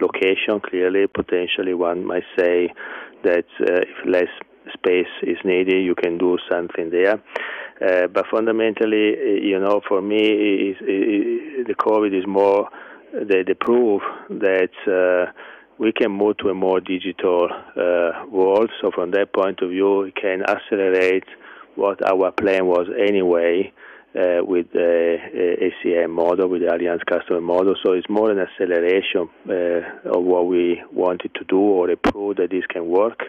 Speaker 2: location. Clearly, potentially one might say that if less space is needed, you can do something there. Fundamentally, for me, the COVID is more the proof that we can move to a more digital world. From that point of view, we can accelerate what our plan was anyway, with the ACM model, with the Allianz Customer Model. It's more an acceleration of what we wanted to do or a proof that this can work.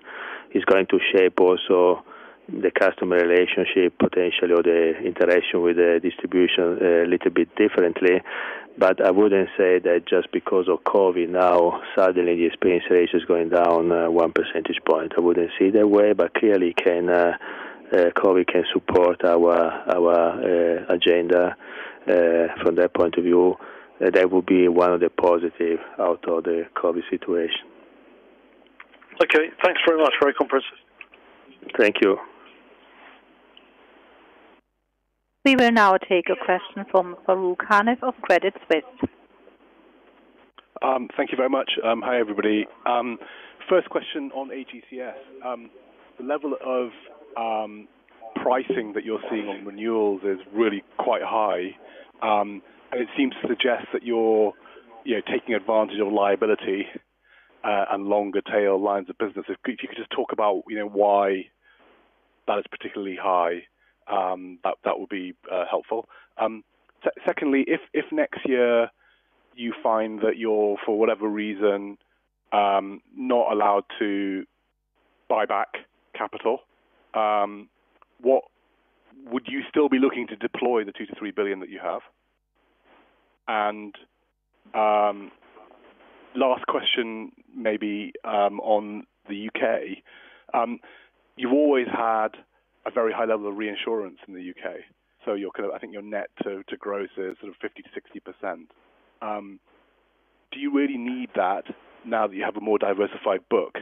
Speaker 2: It's going to shape also the customer relationship potentially, or the interaction with the distribution a little bit differently. I wouldn't say that just because of COVID now, suddenly the expense ratio is going down one percentage point. I wouldn't see it that way, but clearly COVID can support our agenda from that point of view. That will be one of the positive out of the COVID situation.
Speaker 7: Okay. Thanks very much for your comments.
Speaker 2: Thank you.
Speaker 3: We will now take a question from Farooq Hanif of Credit Suisse.
Speaker 8: Thank you very much. Hi, everybody. First question on AGCS. The level of pricing that you're seeing on renewals is really quite high. It seems to suggest that you're taking advantage of liability and longer tail lines of business. If you could just talk about why that is particularly high, that would be helpful. Secondly, if next year you find that you're, for whatever reason, not allowed to buy back capital, would you still be looking to deploy the 2 billion-3 billion that you have? Last question maybe on the U.K. You've always had a very high level of reinsurance in the U.K., I think your net to gross is sort of 50%-60%. Do you really need that now that you have a more diversified book?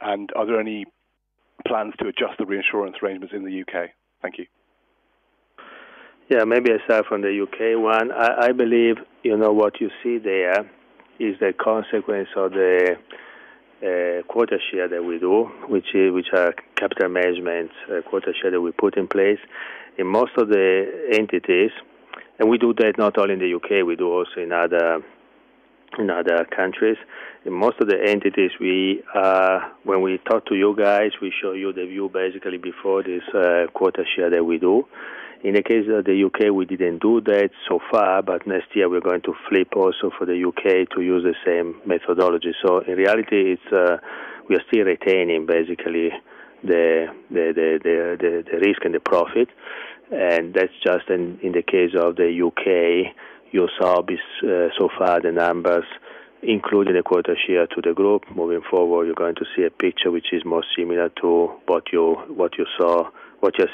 Speaker 8: Are there any plans to adjust the reinsurance arrangements in the U.K.? Thank you.
Speaker 2: Maybe I start from the U.K. one. I believe what you see there is the consequence of the quota share that we do, which are capital management quota share that we put in place. In most of the entities, and we do that not only in the U.K., we do also in other countries. In most of the entities, when we talk to you guys, we show you the view basically before this quota share that we do. In the case of the U.K., we didn't do that so far, but next year, we're going to flip also for the U.K. to use the same methodology. In reality, we are still retaining basically the risk and the profit, and that's just in the case of the U.K. You saw so far the numbers, including the quota share to the Group. Moving forward, you're going to see a picture which is more similar to what you're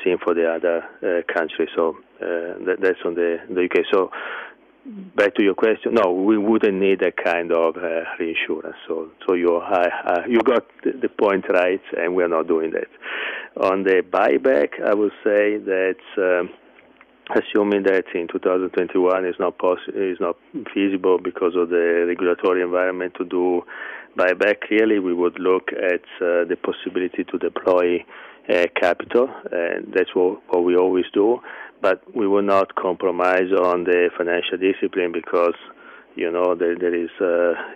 Speaker 2: seeing for the other countries. That's on the U.K. Back to your question, no, we wouldn't need a kind of reinsurance. You got the point right, and we're not doing that. On the buyback, I would say that assuming that in 2021 it's not feasible because of the regulatory environment to do buyback. Clearly, we would look at the possibility to deploy capital. That's what we always do. We will not compromise on the financial discipline because there is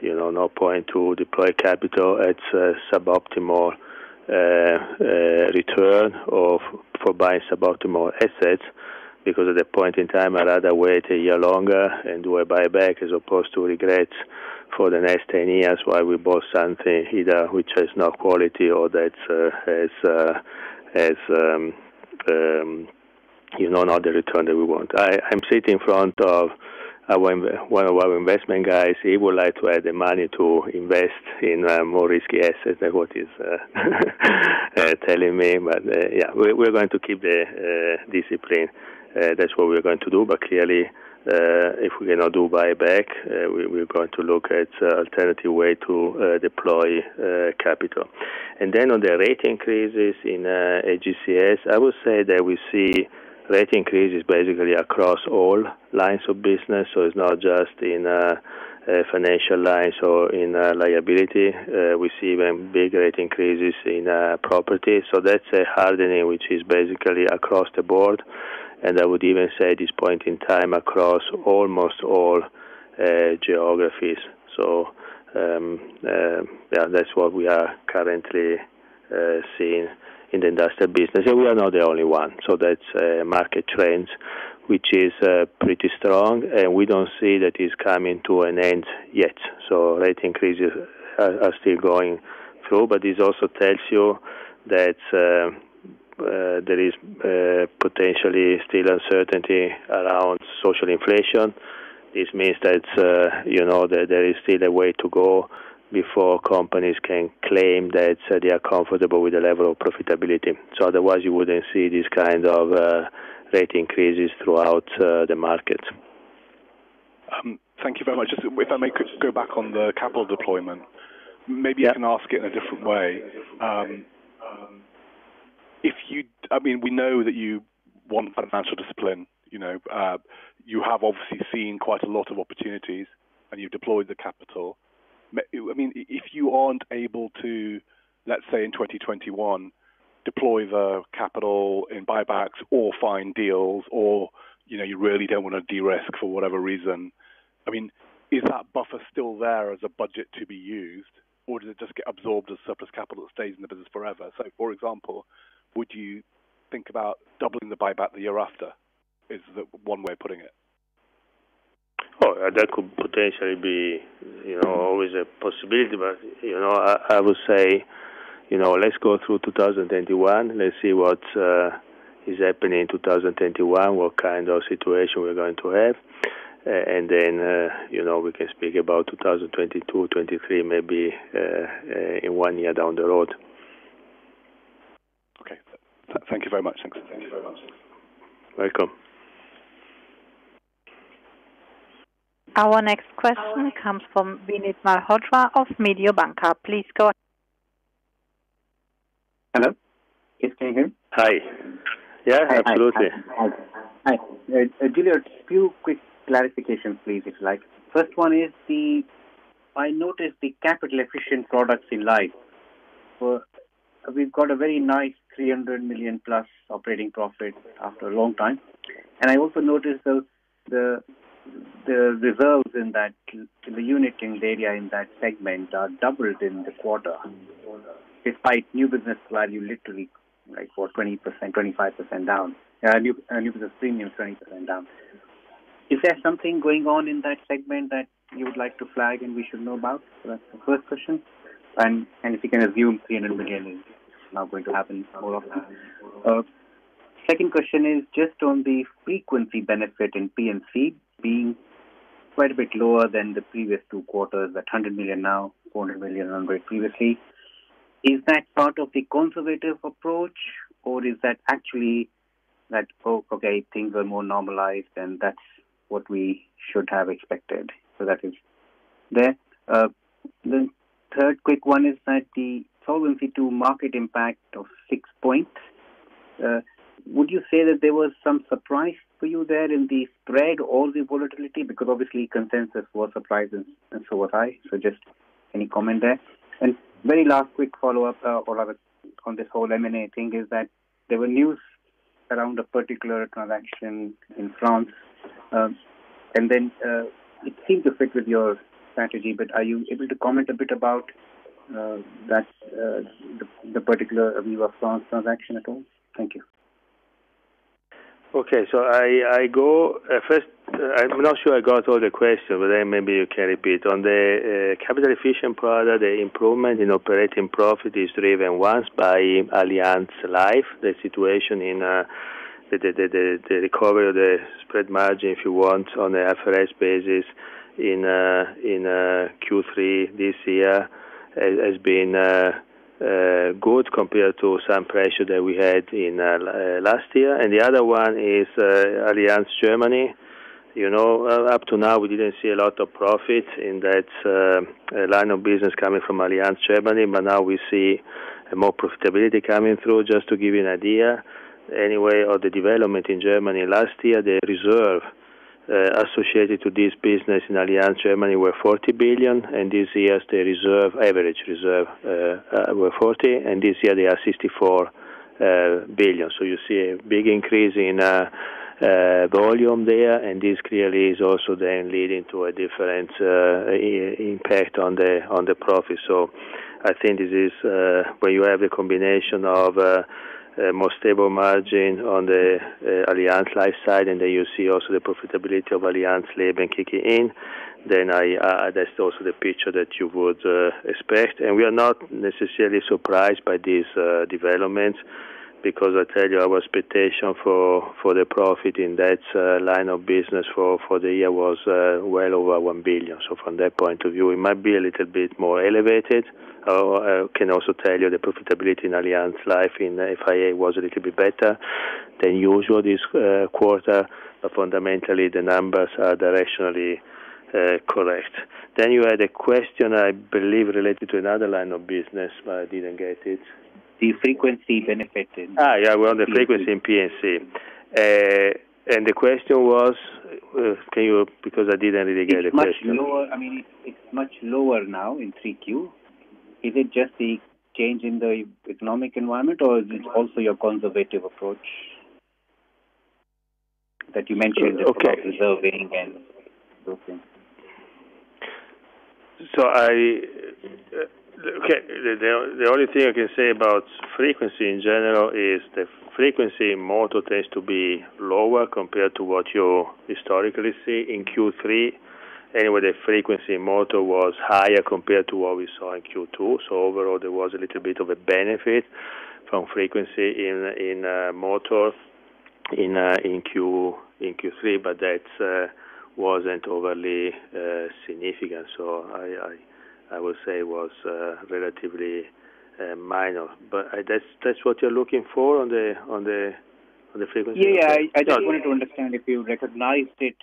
Speaker 2: no point to deploy capital at suboptimal return or for buying suboptimal assets. At that point in time, I'd rather wait a year longer and do a buyback as opposed to regret for the next 10 years why we bought something either which has no quality or that has not the return that we want. I'm sitting in front of one of our investment guys. He would like to have the money to invest in more risky assets than what he's telling me. Yeah, we're going to keep the discipline. That's what we're going to do. Clearly, if we cannot do buyback, we're going to look at alternative way to deploy capital. On the rate increases in AGCS, I would say that we see rate increases basically across all lines of business. It's not just in financial lines or in liability. We see even big rate increases in property. That's a hardening, which is basically across the board, and I would even say at this point in time, across almost all geographies. Yeah, that's what we are currently seeing in the industrial business, and we are not the only one. That's a market trend which is pretty strong, and we don't see that it's coming to an end yet. Rate increases are still going through. This also tells you that there is potentially still uncertainty around social inflation. This means that there is still a way to go before companies can claim that they are comfortable with the level of profitability. Otherwise, you wouldn't see these kind of rate increases throughout the market.
Speaker 8: Thank you very much. If I may go back on the capital deployment.
Speaker 2: Yeah.
Speaker 8: Maybe I can ask it in a different way. We know that you want financial discipline. You have obviously seen quite a lot of opportunities, and you've deployed the capital. If you aren't able to, let's say, in 2021, deploy the capital in buybacks or find deals or you really don't want to de-risk for whatever reason, is that buffer still there as a budget to be used, or does it just get absorbed as surplus capital that stays in the business forever? For example, would you think about doubling the buyback the year after? Is the one way of putting it.
Speaker 2: That could potentially be is a possibility, but I would say, let's go through 2021. Let's see what is happening in 2021, what kind of situation we're going to have. We can speak about 2022, 2023, maybe in one year down the road.
Speaker 8: Okay. Thank you very much.
Speaker 2: You're welcome.
Speaker 3: Our next question comes from Vinit Malhotra of Mediobanca. Please go ahead.
Speaker 9: Hello? Yes, can you hear me?
Speaker 2: Hi. Yeah, absolutely.
Speaker 9: Hi. Giulio, a few quick clarifications, please, if you like. First one is, I noticed the capital efficient products in life. We've got a very nice 300+ million operating profit after a long time. I also noticed the reserves in the unit area in that segment are doubled in the quarter, despite new business value literally for 20%-25% down. New business premium is 20% down. Is there something going on in that segment that you would like to flag and we should know about? That's the first question. If you can assume CNN beginning, it's not going to happen more often. Second question is just on the frequency benefit in P&C being quite a bit lower than the previous two quarters, at 100 million now, 400 million previously. Is that part of the conservative approach, or is that actually that, oh, okay, things are more normalized and that's what we should have expected. That is there. The third quick one is that the Solvency II market impact of six points. Would you say that there was some surprise for you there in the spread, all the volatility, because obviously consensus was surprised and so was I. Just any comment there? Very last quick follow-up on this whole M&A thing is that there were news around a particular transaction in France. It seemed to fit with your strategy, but are you able to comment a bit about the particular view of France transaction at all? Thank you.
Speaker 2: Okay. First, I'm not sure I got all the questions, but then maybe you can repeat. On the capital efficient product, the improvement in operating profit is driven once by Allianz Life. The situation in the recovery of the spread margin, if you want, on an IFRS basis in Q3 this year has been good compared to some pressure that we had in last year. The other one is Allianz Germany. Up to now, we didn't see a lot of profit in that line of business coming from Allianz Germany, but now we see more profitability coming through. Just to give you an idea, anyway, of the development in Germany. Last year, the reserve associated to this business in Allianz Germany were 40 billion, and this year the average reserve were 40 billion, and this year they are 64 billion. You see a big increase in volume there, and this clearly is also then leading to a different impact on the profit. I think this is where you have a combination of a more stable margin on the Allianz Life side, and then you see also the profitability of Allianz Leben kicking in. That's also the picture that you would expect. We are not necessarily surprised by these developments because I tell you, our expectation for the profit in that line of business for the year was well over 1 billion. From that point of view, it might be a little bit more elevated. I can also tell you the profitability in Allianz Life in FIA was a little bit better than usual this quarter. Fundamentally, the numbers are directionally correct. You had a question, I believe, related to another line of business, but I didn't get it.
Speaker 9: The frequency benefited.
Speaker 2: Yeah. Well, the frequency in P&C. The question was, can you, because I didn't really get the question.
Speaker 9: It's much lower now in 3Q. Is it just the change in the economic environment, or is it also your conservative approach that you mentioned observing and looking?
Speaker 2: The only thing I can say about frequency in general is the frequency in motor tends to be lower compared to what you historically see in Q3. Anyway, the frequency in motor was higher compared to what we saw in Q2. Overall, there was a little bit of a benefit from frequency in motors in Q3, but that wasn't overly significant. I would say was relatively minor. That's what you're looking for on the frequency?
Speaker 9: Yeah. I just wanted to understand if you recognized it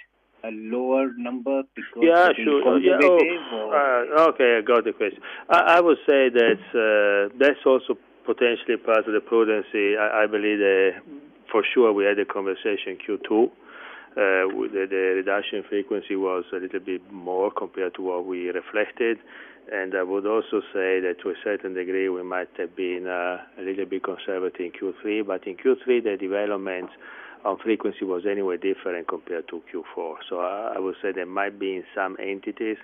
Speaker 9: a lower number because it's conservative or?
Speaker 2: Okay. I got the question. I would say that's also potentially part of the prudency. I believe for sure we had a conversation Q2. The reduction frequency was a little bit more compared to what we reflected. I would also say that to a certain degree, we might have been a little bit conservative in Q3. In Q3, the development of frequency was anyway different compared to Q4. I would say there might be in some entities,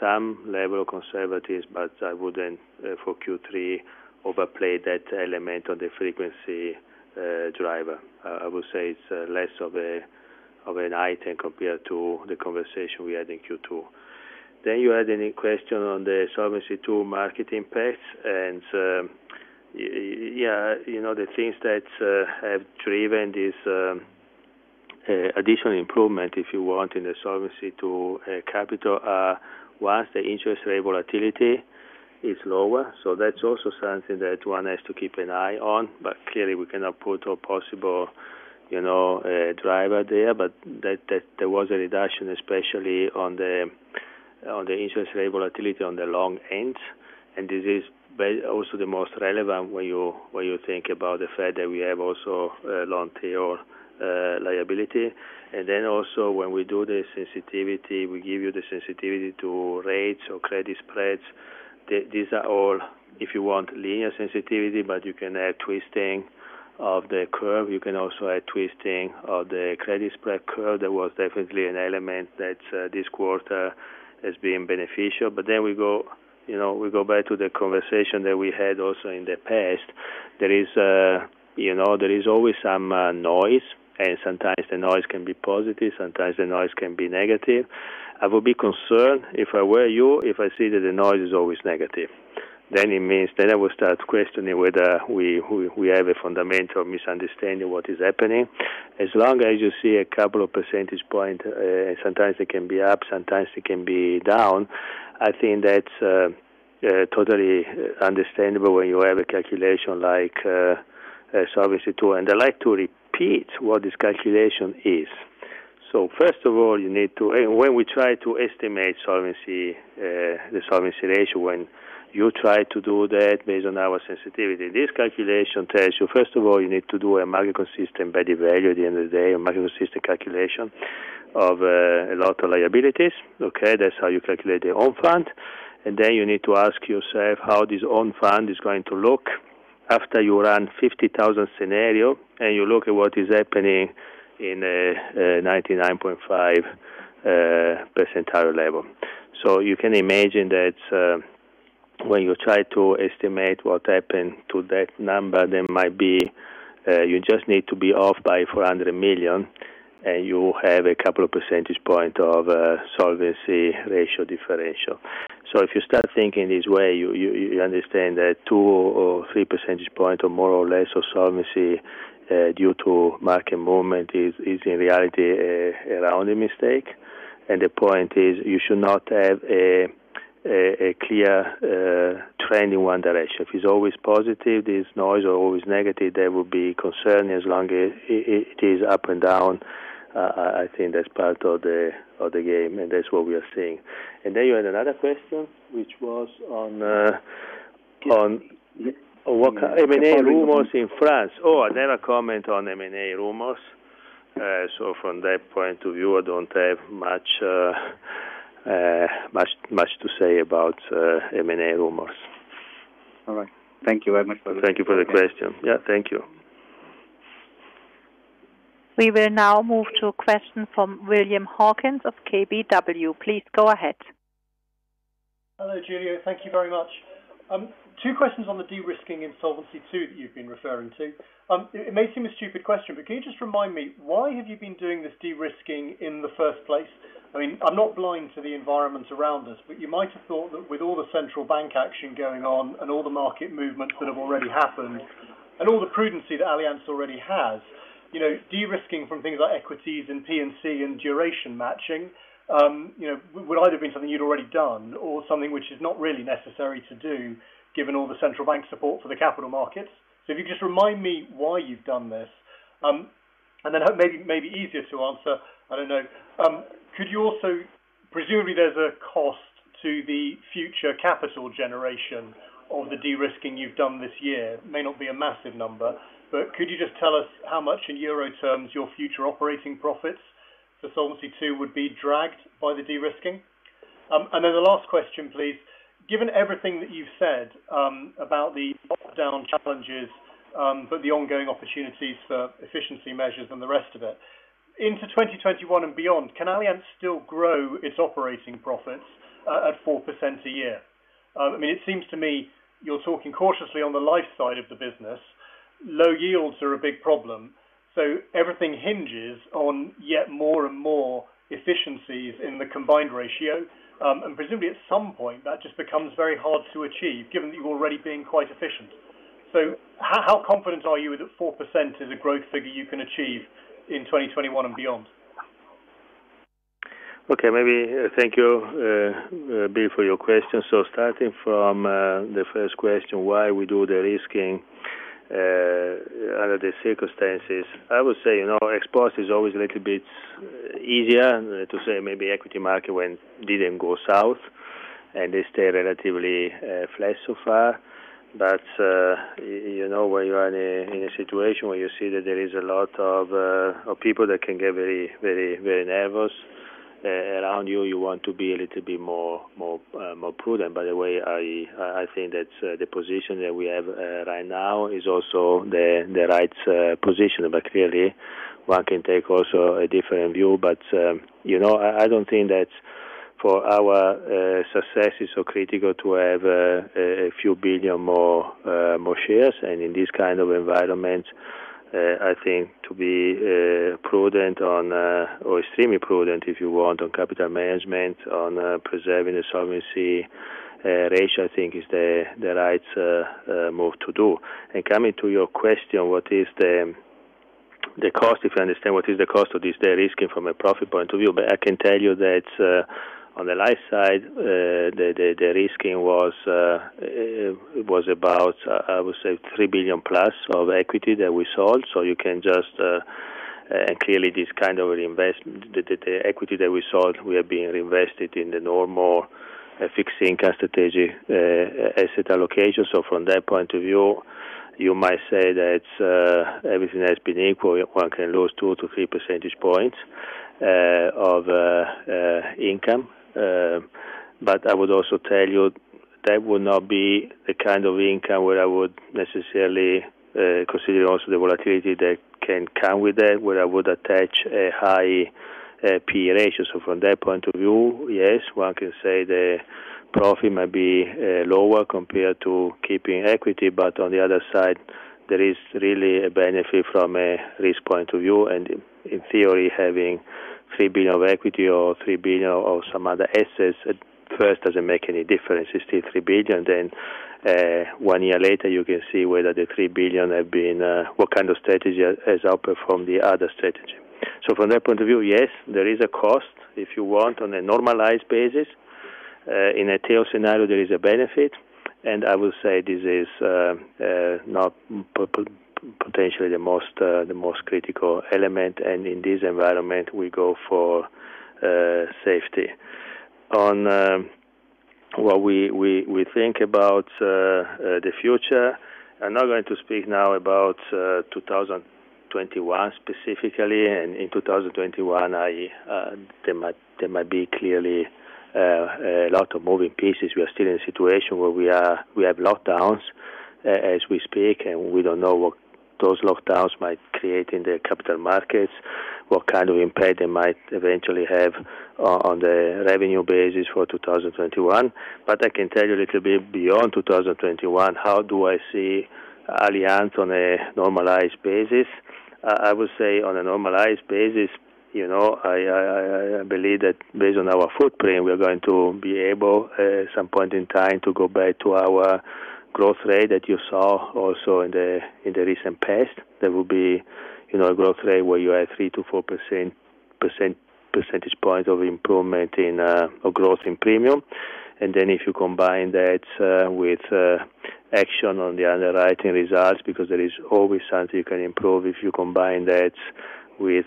Speaker 2: some level of conservatism, but I wouldn't for Q3 overplay that element of the frequency driver. I would say it's less of an item compared to the conversation we had in Q2. You had a question on the Solvency II market impact, and the things that have driven this additional improvement, if you want, in the Solvency II capital are: one, the interest rate volatility is lower. That's also something that one has to keep an eye on. Clearly we cannot put a possible driver there. There was a reduction, especially on the interest rate volatility on the long end. This is also the most relevant when you think about the fact that we have also a long tail liability. When we do the sensitivity, we give you the sensitivity to rates or credit spreads. These are all, if you want, linear sensitivity, but you can add twisting of the curve. You can also add twisting of the credit spread curve. That was definitely an element that this quarter has been beneficial. We go back to the conversation that we had also in the past. There is always some noise, and sometimes the noise can be positive, sometimes the noise can be negative. I would be concerned if I were you, if I see that the noise is always negative. It means then I will start questioning whether we have a fundamental misunderstanding what is happening. As long as you see a couple of percentage point, sometimes it can be up, sometimes it can be down, I think that's totally understandable when you have a calculation like Solvency II. I'd like to repeat what this calculation is. First of all, when we try to estimate the solvency ratio, when you try to do that based on our sensitivity, this calculation tells you, first of all, you need to do a market consistent value at the end of the day. A market consistent calculation of a lot of liabilities. Okay? That's how you calculate the own fund. You need to ask yourself how this own fund is going to look after you run 50,000 scenario, and you look at what is happening in a 99.5 percentile level. You can imagine that when you try to estimate what happened to that number, you just need to be off by 400 million, and you have a couple of percentage points of solvency ratio differential. If you start thinking this way, you understand that 2 or 3 percentage points or more or less of solvency due to market movement is in reality a rounding mistake. The point is, you should not have a clear trend in one direction. If it's always positive, this noise, or always negative, that would be concerning. As long as it is up and down, I think that's part of the game, and that's what we are seeing. You had another question, which was on M&A rumors in France. I never comment on M&A rumors. From that point of view, I don't have much to say about M&A rumors.
Speaker 9: All right. Thank you very much.
Speaker 2: Thank you for the question. Yeah, thank you.
Speaker 3: We will now move to a question from William Hawkins of KBW. Please go ahead.
Speaker 10: Hello, Giulio. Thank you very much. Two questions on the de-risking in Solvency II that you've been referring to. It may seem a stupid question. Can you just remind me, why have you been doing this de-risking in the first place? I'm not blind to the environment around us. You might have thought that with all the central bank action going on and all the market movements that have already happened, and all the prudency that Allianz already has, de-risking from things like equities and P&C and duration matching would either have been something you'd already done or something which is not really necessary to do given all the central bank support for the capital markets. If you could just remind me why you've done this. Maybe easier to answer, I don't know. Presumably, there's a cost to the future capital generation of the de-risking you've done this year. It may not be a massive number, but could you just tell us how much in euro terms your future operating profits for Solvency II would be dragged by the de-risking? The last question, please. Given everything that you've said about the bottom down challenges, but the ongoing opportunities for efficiency measures and the rest of it. Into 2021 and beyond, can Allianz still grow its operating profits at 4% a year? It seems to me you're talking cautiously on the life side of the business. Low yields are a big problem, everything hinges on yet more and more efficiencies in the combined ratio. Presumably at some point, that just becomes very hard to achieve given that you're already being quite efficient. How confident are you that 4% is a growth figure you can achieve in 2021 and beyond?
Speaker 2: Okay. Thank you, Will, for your question. Starting from the first question, why we do the de-risking under the circumstances? I would say, ex post is always a little bit easier to say maybe equity market when didn't go south, and they stay relatively flat so far. When you are in a situation where you see that there is a lot of people that can get very nervous around you want to be a little bit more prudent. By the way, I think that the position that we have right now is also the right position. Clearly, one can take also a different view. I don't think that. For our success, it's so critical to have a few billion more shares. In this kind of environment, I think to be prudent or extremely prudent, if you want, on capital management, on preserving the solvency ratio, I think is the right move to do. Coming to your question, if I understand, what is the cost of this de-risking from a profit point of view? I can tell you that on the life side, the de-risking was about, I would say 3+ billion of equity that we sold. Clearly this kind of equity that we sold, we are being invested in the normal fixed income strategy asset allocation. From that point of view, you might say that everything has been equal. One can lose 2 to 3 percentage points of income. I would also tell you that would not be the kind of income where I would necessarily consider also the volatility that can come with that, where I would attach a high P/E ratio. From that point of view, yes, one can say the profit might be lower compared to keeping equity. On the other side, there is really a benefit from a risk point of view. In theory, having 3 billion of equity or 3 billion of some other assets at first doesn't make any difference. It's still 3 billion. One year later, you can see whether the 3 billion, what kind of strategy has outperformed the other strategy. From that point of view, yes, there is a cost, if you want, on a normalized basis. In a tail scenario, there is a benefit. I would say this is not potentially the most critical element. In this environment, we go for safety. On what we think about the future, I'm not going to speak now about 2021 specifically. In 2021, there might be clearly a lot of moving pieces. We are still in a situation where we have lockdowns as we speak, and we don't know what those lockdowns might create in the capital markets, what kind of impact they might eventually have on the revenue basis for 2021. I can tell you a little bit beyond 2021, how do I see Allianz on a normalized basis? I would say on a normalized basis, I believe that based on our footprint, we're going to be able, at some point in time, to go back to our growth rate that you saw also in the recent past. There will be a growth rate where you have 3 to 4 percentage points of improvement in our growth in premium. If you combine that with action on the underwriting results, because there is always something you can improve, if you combine that with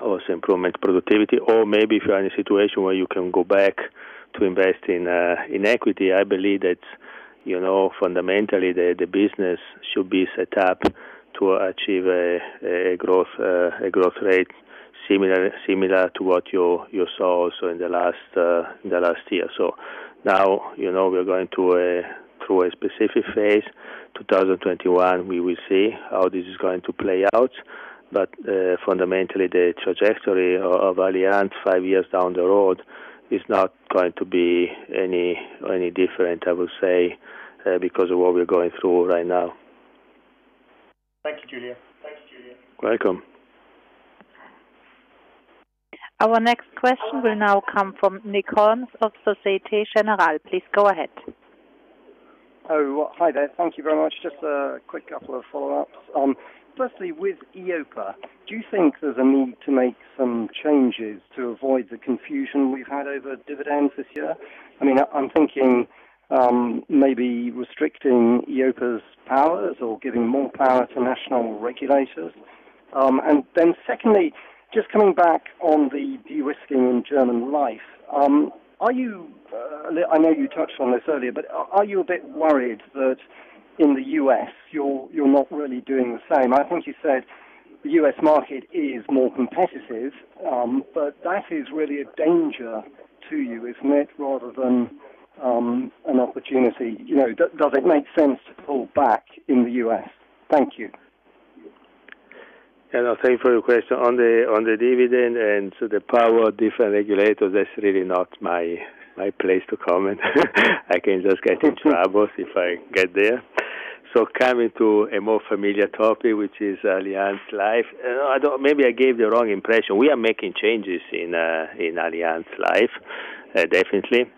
Speaker 2: also improvement productivity, or maybe if you are in a situation where you can go back to invest in equity. I believe that fundamentally, the business should be set up to achieve a growth rate similar to what you saw also in the last year. Now, we are going through a specific phase. 2021, we will see how this is going to play out. Fundamentally, the trajectory of Allianz five years down the road is not going to be any different, I would say, because of what we're going through right now.
Speaker 10: Thank you, Giulio.
Speaker 2: Welcome.
Speaker 3: Our next question will now come from Nick Holmes of Société Générale. Please go ahead.
Speaker 11: Oh, hi there. Thank you very much. Just a quick couple of follow-ups. With EIOPA, do you think there's a need to make some changes to avoid the confusion we've had over dividends this year? I'm thinking maybe restricting EIOPA's powers or giving more power to national regulators. Just coming back on the de-risking in German Life. I know you touched on this earlier, are you a bit worried that in the U.S., you're not really doing the same? I think you said the U.S. market is more competitive, that is really a danger to you, isn't it, rather than an opportunity. Does it make sense to pull back in the U.S.? Thank you.
Speaker 2: Thank you for your question. On the dividend and to the power of different regulators, that's really not my place to comment. I can just get in troubles if I get there. Coming to a more familiar topic, which is Allianz Life. Maybe I gave the wrong impression. We are making changes in Allianz Life, definitely.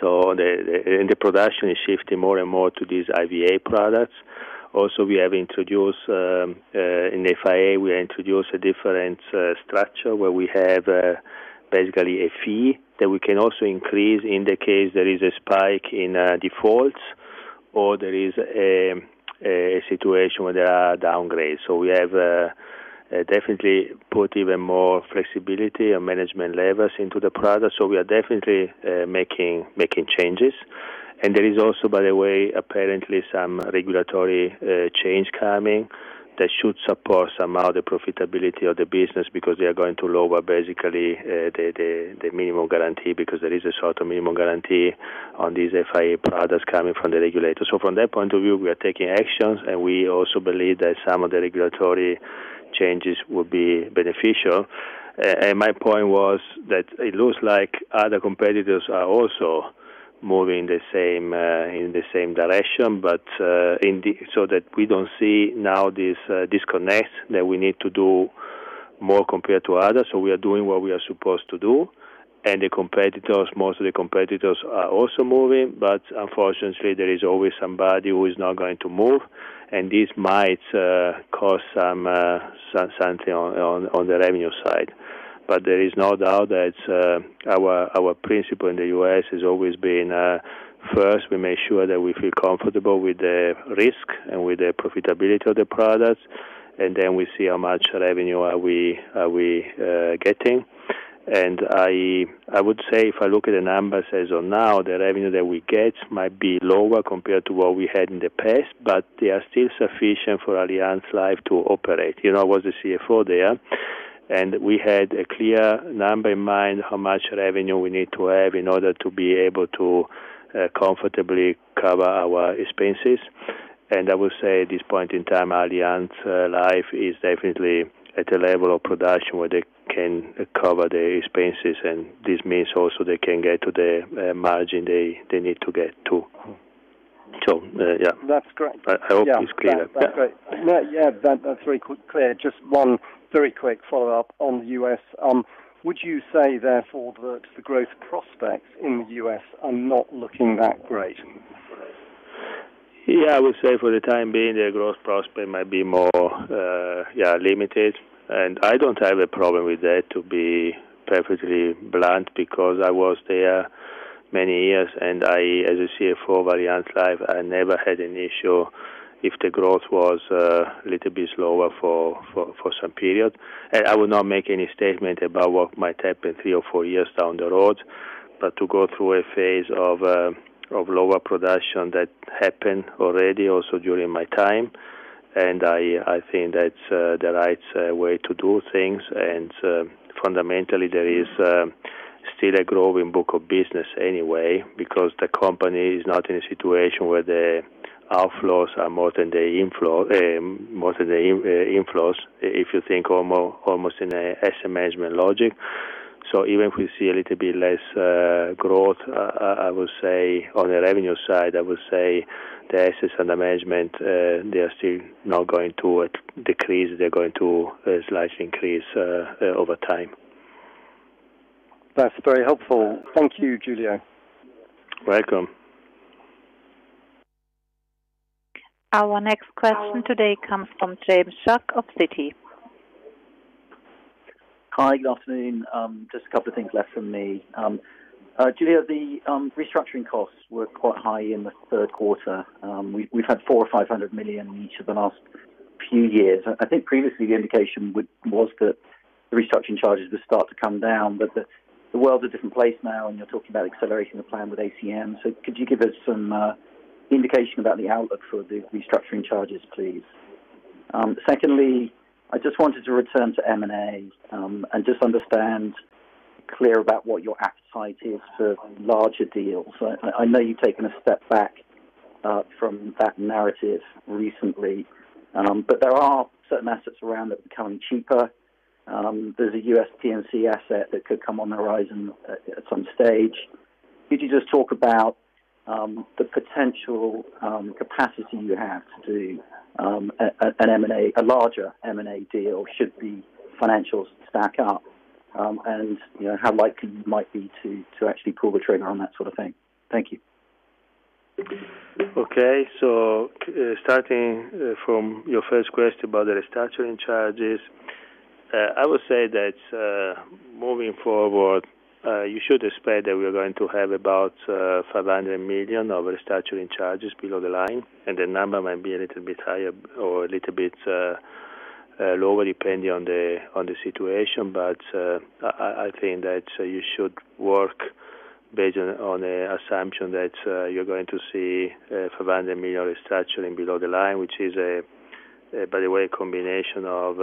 Speaker 2: The production is shifting more and more to these IVA products. Also, in FIA, we introduced a different structure where we have basically a fee that we can also increase in the case there is a spike in defaults or there is a situation where there are downgrades. We have definitely put even more flexibility and management levers into the product. We are definitely making changes. There is also, by the way, apparently some regulatory change coming that should support somehow the profitability of the business, because they are going to lower basically the minimum guarantee, because there is a sort of minimum guarantee on these FIA products coming from the regulators. From that point of view, we are taking actions, and we also believe that some of the regulatory changes will be beneficial. My point was that it looks like other competitors are also moving in the same direction, but so that we don't see now this disconnect that we need to do more compared to others. We are doing what we are supposed to do, and most of the competitors are also moving, but unfortunately, there is always somebody who is not going to move, and this might cause something on the revenue side. There is no doubt that our principle in the U.S. has always been, first, we make sure that we feel comfortable with the risk and with the profitability of the products, and then we see how much revenue are we getting. I would say if I look at the numbers as of now, the revenue that we get might be lower compared to what we had in the past, but they are still sufficient for Allianz Life to operate. I was the CFO there, and we had a clear number in mind how much revenue we need to have in order to be able to comfortably cover our expenses. I would say at this point in time, Allianz Life is definitely at a level of production where they can cover the expenses, and this means also they can get to the margin they need to get to. Yeah.
Speaker 11: That's great.
Speaker 2: I hope it's clear.
Speaker 11: That's very clear. Just one very quick follow-up on the U.S. Would you say therefore that the growth prospects in the U.S. are not looking that great?
Speaker 2: Yeah, I would say for the time being, their growth prospect might be more limited. I don't have a problem with that, to be perfectly blunt, because I was there many years, and I, as a CFO of Allianz Life, I never had an issue if the growth was a little bit slower for some period. I would not make any statement about what might happen three or four years down the road. To go through a phase of lower production, that happened already also during my time. I think that's the right way to do things. Fundamentally, there is still a growing book of business anyway, because the company is not in a situation where the outflows are more than the inflows, if you think almost in asset management logic. Even if we see a little bit less growth, I would say on the revenue side, I would say the assets under management, they are still not going to decrease. They're going to slightly increase over time.
Speaker 11: That's very helpful. Thank you, Giulio.
Speaker 2: Welcome.
Speaker 3: Our next question today comes from James Shuck of Citi.
Speaker 12: Hi, good afternoon. Just a couple of things left from me. Giulio, the restructuring costs were quite high in the third quarter. We've had 400 million or 500 million in each of the last few years. I think previously the indication was that the restructuring charges would start to come down, the world's a different place now, and you're talking about accelerating the plan with ACM. Could you give us some indication about the outlook for the restructuring charges, please? Secondly, I just wanted to return to M&A, and just understand clear about what your appetite is for larger deals. I know you've taken a step back from that narrative recently. There are certain assets around that are becoming cheaper. There's a U.S. P&C asset that could come on the horizon at some stage. Could you just talk about the potential capacity you have to do a larger M&A deal should the financials stack up? How likely you might be to actually pull the trigger on that sort of thing? Thank you.
Speaker 2: Starting from your first question about the restructuring charges, I would say that moving forward, you should expect that we're going to have about 500 million of restructuring charges below the line. The number might be a little bit higher or a little bit lower, depending on the situation. I think that you should work based on the assumption that you're going to see 500 million restructuring below the line, which is, by the way, a combination of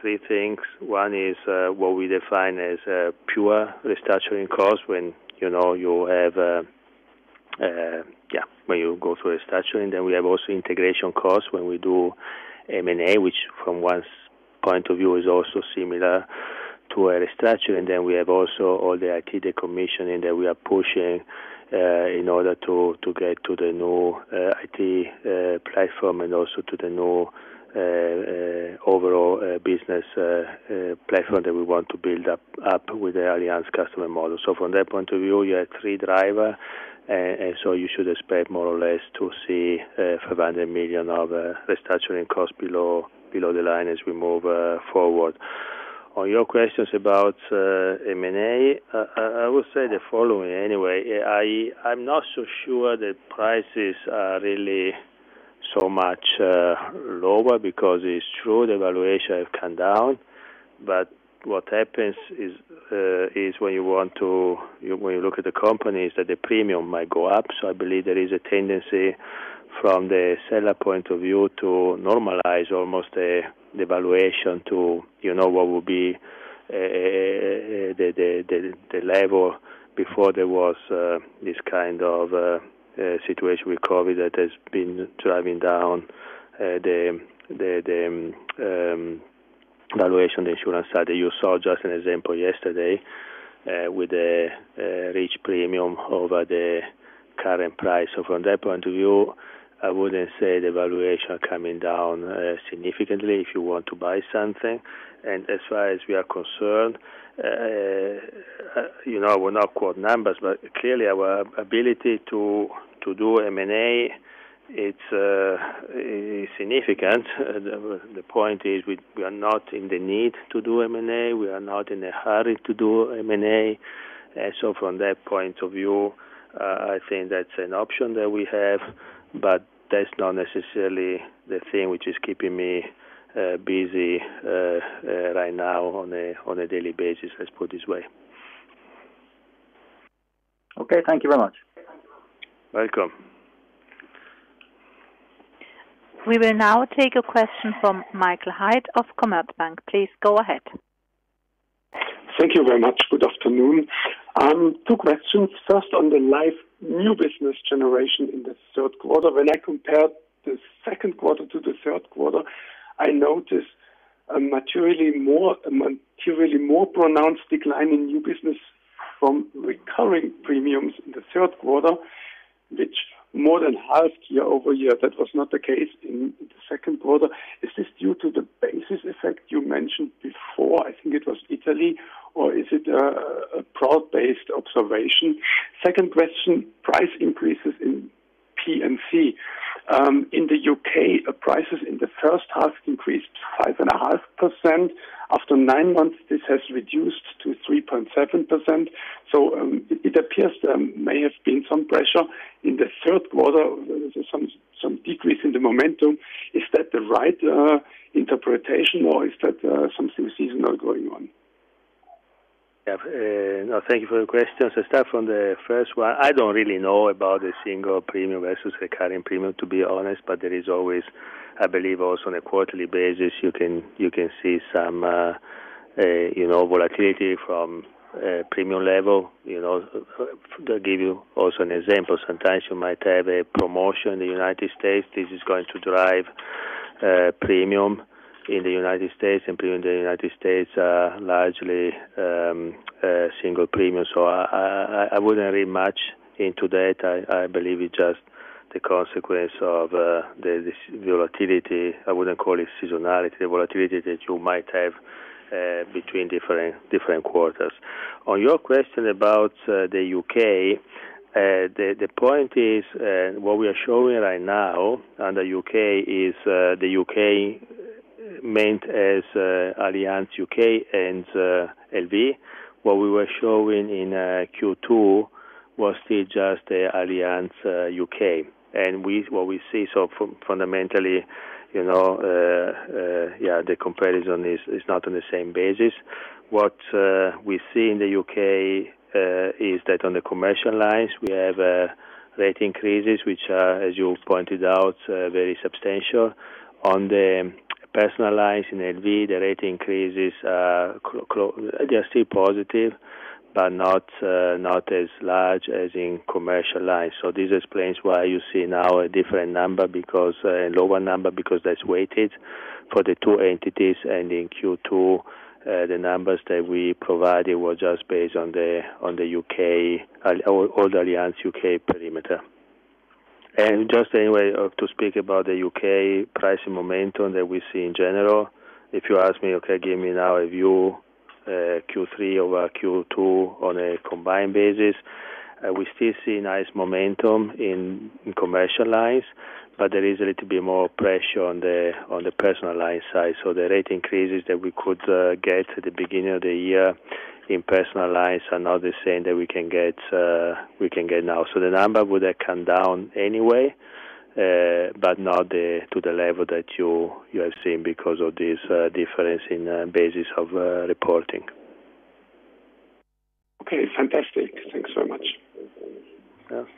Speaker 2: three things. One is what we define as pure restructuring costs when you go through a restructuring. We have also integration costs when we do M&A, which from one's point of view, is also similar to a restructuring. We have also all the IT decommissioning that we are pushing, in order to get to the new IT platform and also to the new overall business platform that we want to build up with the Allianz Customer Model. From that point of view, you have three drivers, and so you should expect more or less to see 500 million of restructuring costs below the line as we move forward. On your questions about M&A, I would say the following anyway. I'm not so sure the prices are really so much lower because it's true the valuation have come down. What happens is when you look at the companies, that the premium might go up. I believe there is a tendency from the seller point of view to normalize almost the valuation to what would be the level before there was this kind of situation with COVID that has been driving down the valuation insurance side. You saw just an example yesterday with a rich premium over the current price. From that point of view, I wouldn't say the valuation coming down significantly if you want to buy something. As far as we are concerned, we'll not quote numbers, but clearly our ability to do M&A, it's significant. The point is we are not in the need to do M&A. We are not in a hurry to do M&A. From that point of view, I think that's an option that we have, but that's not necessarily the thing which is keeping me busy right now on a daily basis, let's put it this way.
Speaker 12: Okay. Thank you very much.
Speaker 2: Welcome.
Speaker 3: We will now take a question from Michael Haid of Commerzbank. Please go ahead.
Speaker 13: Thank you very much. Good afternoon. Two questions. First, on the life new business generation in the third quarter. When I compared the second quarter to the third quarter, I noticed a materially more pronounced decline in new business from recurring premiums in the third quarter, which more than half year-over-year, that was not the case in the second quarter. Is this due to the basis effect you mentioned before? I think it was Italy, or is it a broad-based observation? Second question, price increases in P&C. In the U.K., prices in the first half increased 5.5%. After nine months, this has reduced to 3.7%. It appears there may have been some pressure in the third quarter, some decrease in the momentum. Is that the right interpretation or is that something seasonal going on?
Speaker 2: Thank you for the question. To start from the first one, I don't really know about the single premium versus recurring premium, to be honest, but there is always, I believe also on a quarterly basis, you can see some volatility from premium level. To give you also an example, sometimes you might have a promotion in the U.S. This is going to drive premium in the U.S., and premium in the U.S. are largely single premium. I wouldn't read much into that. I believe it's just the consequence of the volatility. I wouldn't call it seasonality. Volatility that you might have between different quarters. On your question about the U.K., the point is, what we are showing right now on the U.K. is the U.K. meant as Allianz UK and LV=. What we were showing in Q2 was still just the Allianz U.K. What we see fundamentally, the comparison is not on the same basis. What we see in the U.K. is that on the commercial lines, we have rate increases, which are, as you pointed out, very substantial. On the personal lines in LV=, the rate increases are still positive, but not as large as in commercial lines. This explains why you see now a different number, a lower number, because that's weighted for the two entities. In Q2, the numbers that we provided were just based on the whole Allianz U.K. perimeter. Just anyway, to speak about the U.K. pricing momentum that we see in general. If you ask me, okay, give me now a view, Q3 over Q2 on a combined basis. We still see nice momentum in commercial lines, but there is a little bit more pressure on the personal line side. The rate increases that we could get at the beginning of the year in personal lines are not the same that we can get now. The number would have come down anyway, but not to the level that you have seen because of this difference in basis of reporting.
Speaker 13: Okay. Fantastic. Thanks so much.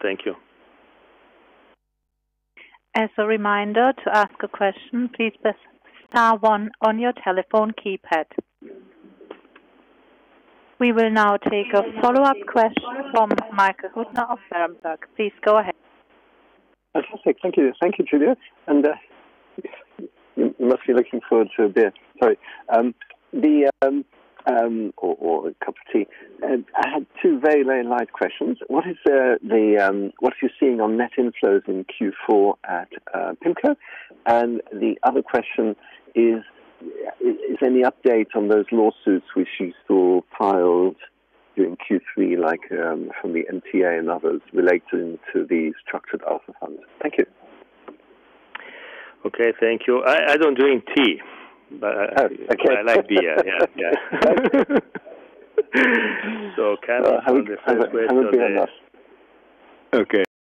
Speaker 2: Thank you.
Speaker 3: As a reminder, to ask a question, please press star one on your telephone keypad. We will now take a follow-up question from Michael Huttner of Berenberg. Please go ahead.
Speaker 5: Fantastic. Thank you. Thank you, Giulio. You must be looking forward to a beer. Sorry. A cup of tea. I had two very light questions. What you're seeing on net inflows in Q4 at PIMCO? The other question is there any update on those lawsuits which you saw filed during Q3, like from the MTA and others relating to the Structured Alpha funds? Thank you.
Speaker 2: Okay. Thank you. I don't drink tea.
Speaker 5: Oh, okay.
Speaker 2: I like beer. Yeah. Can I answer the first question?
Speaker 5: 100% understand. Okay.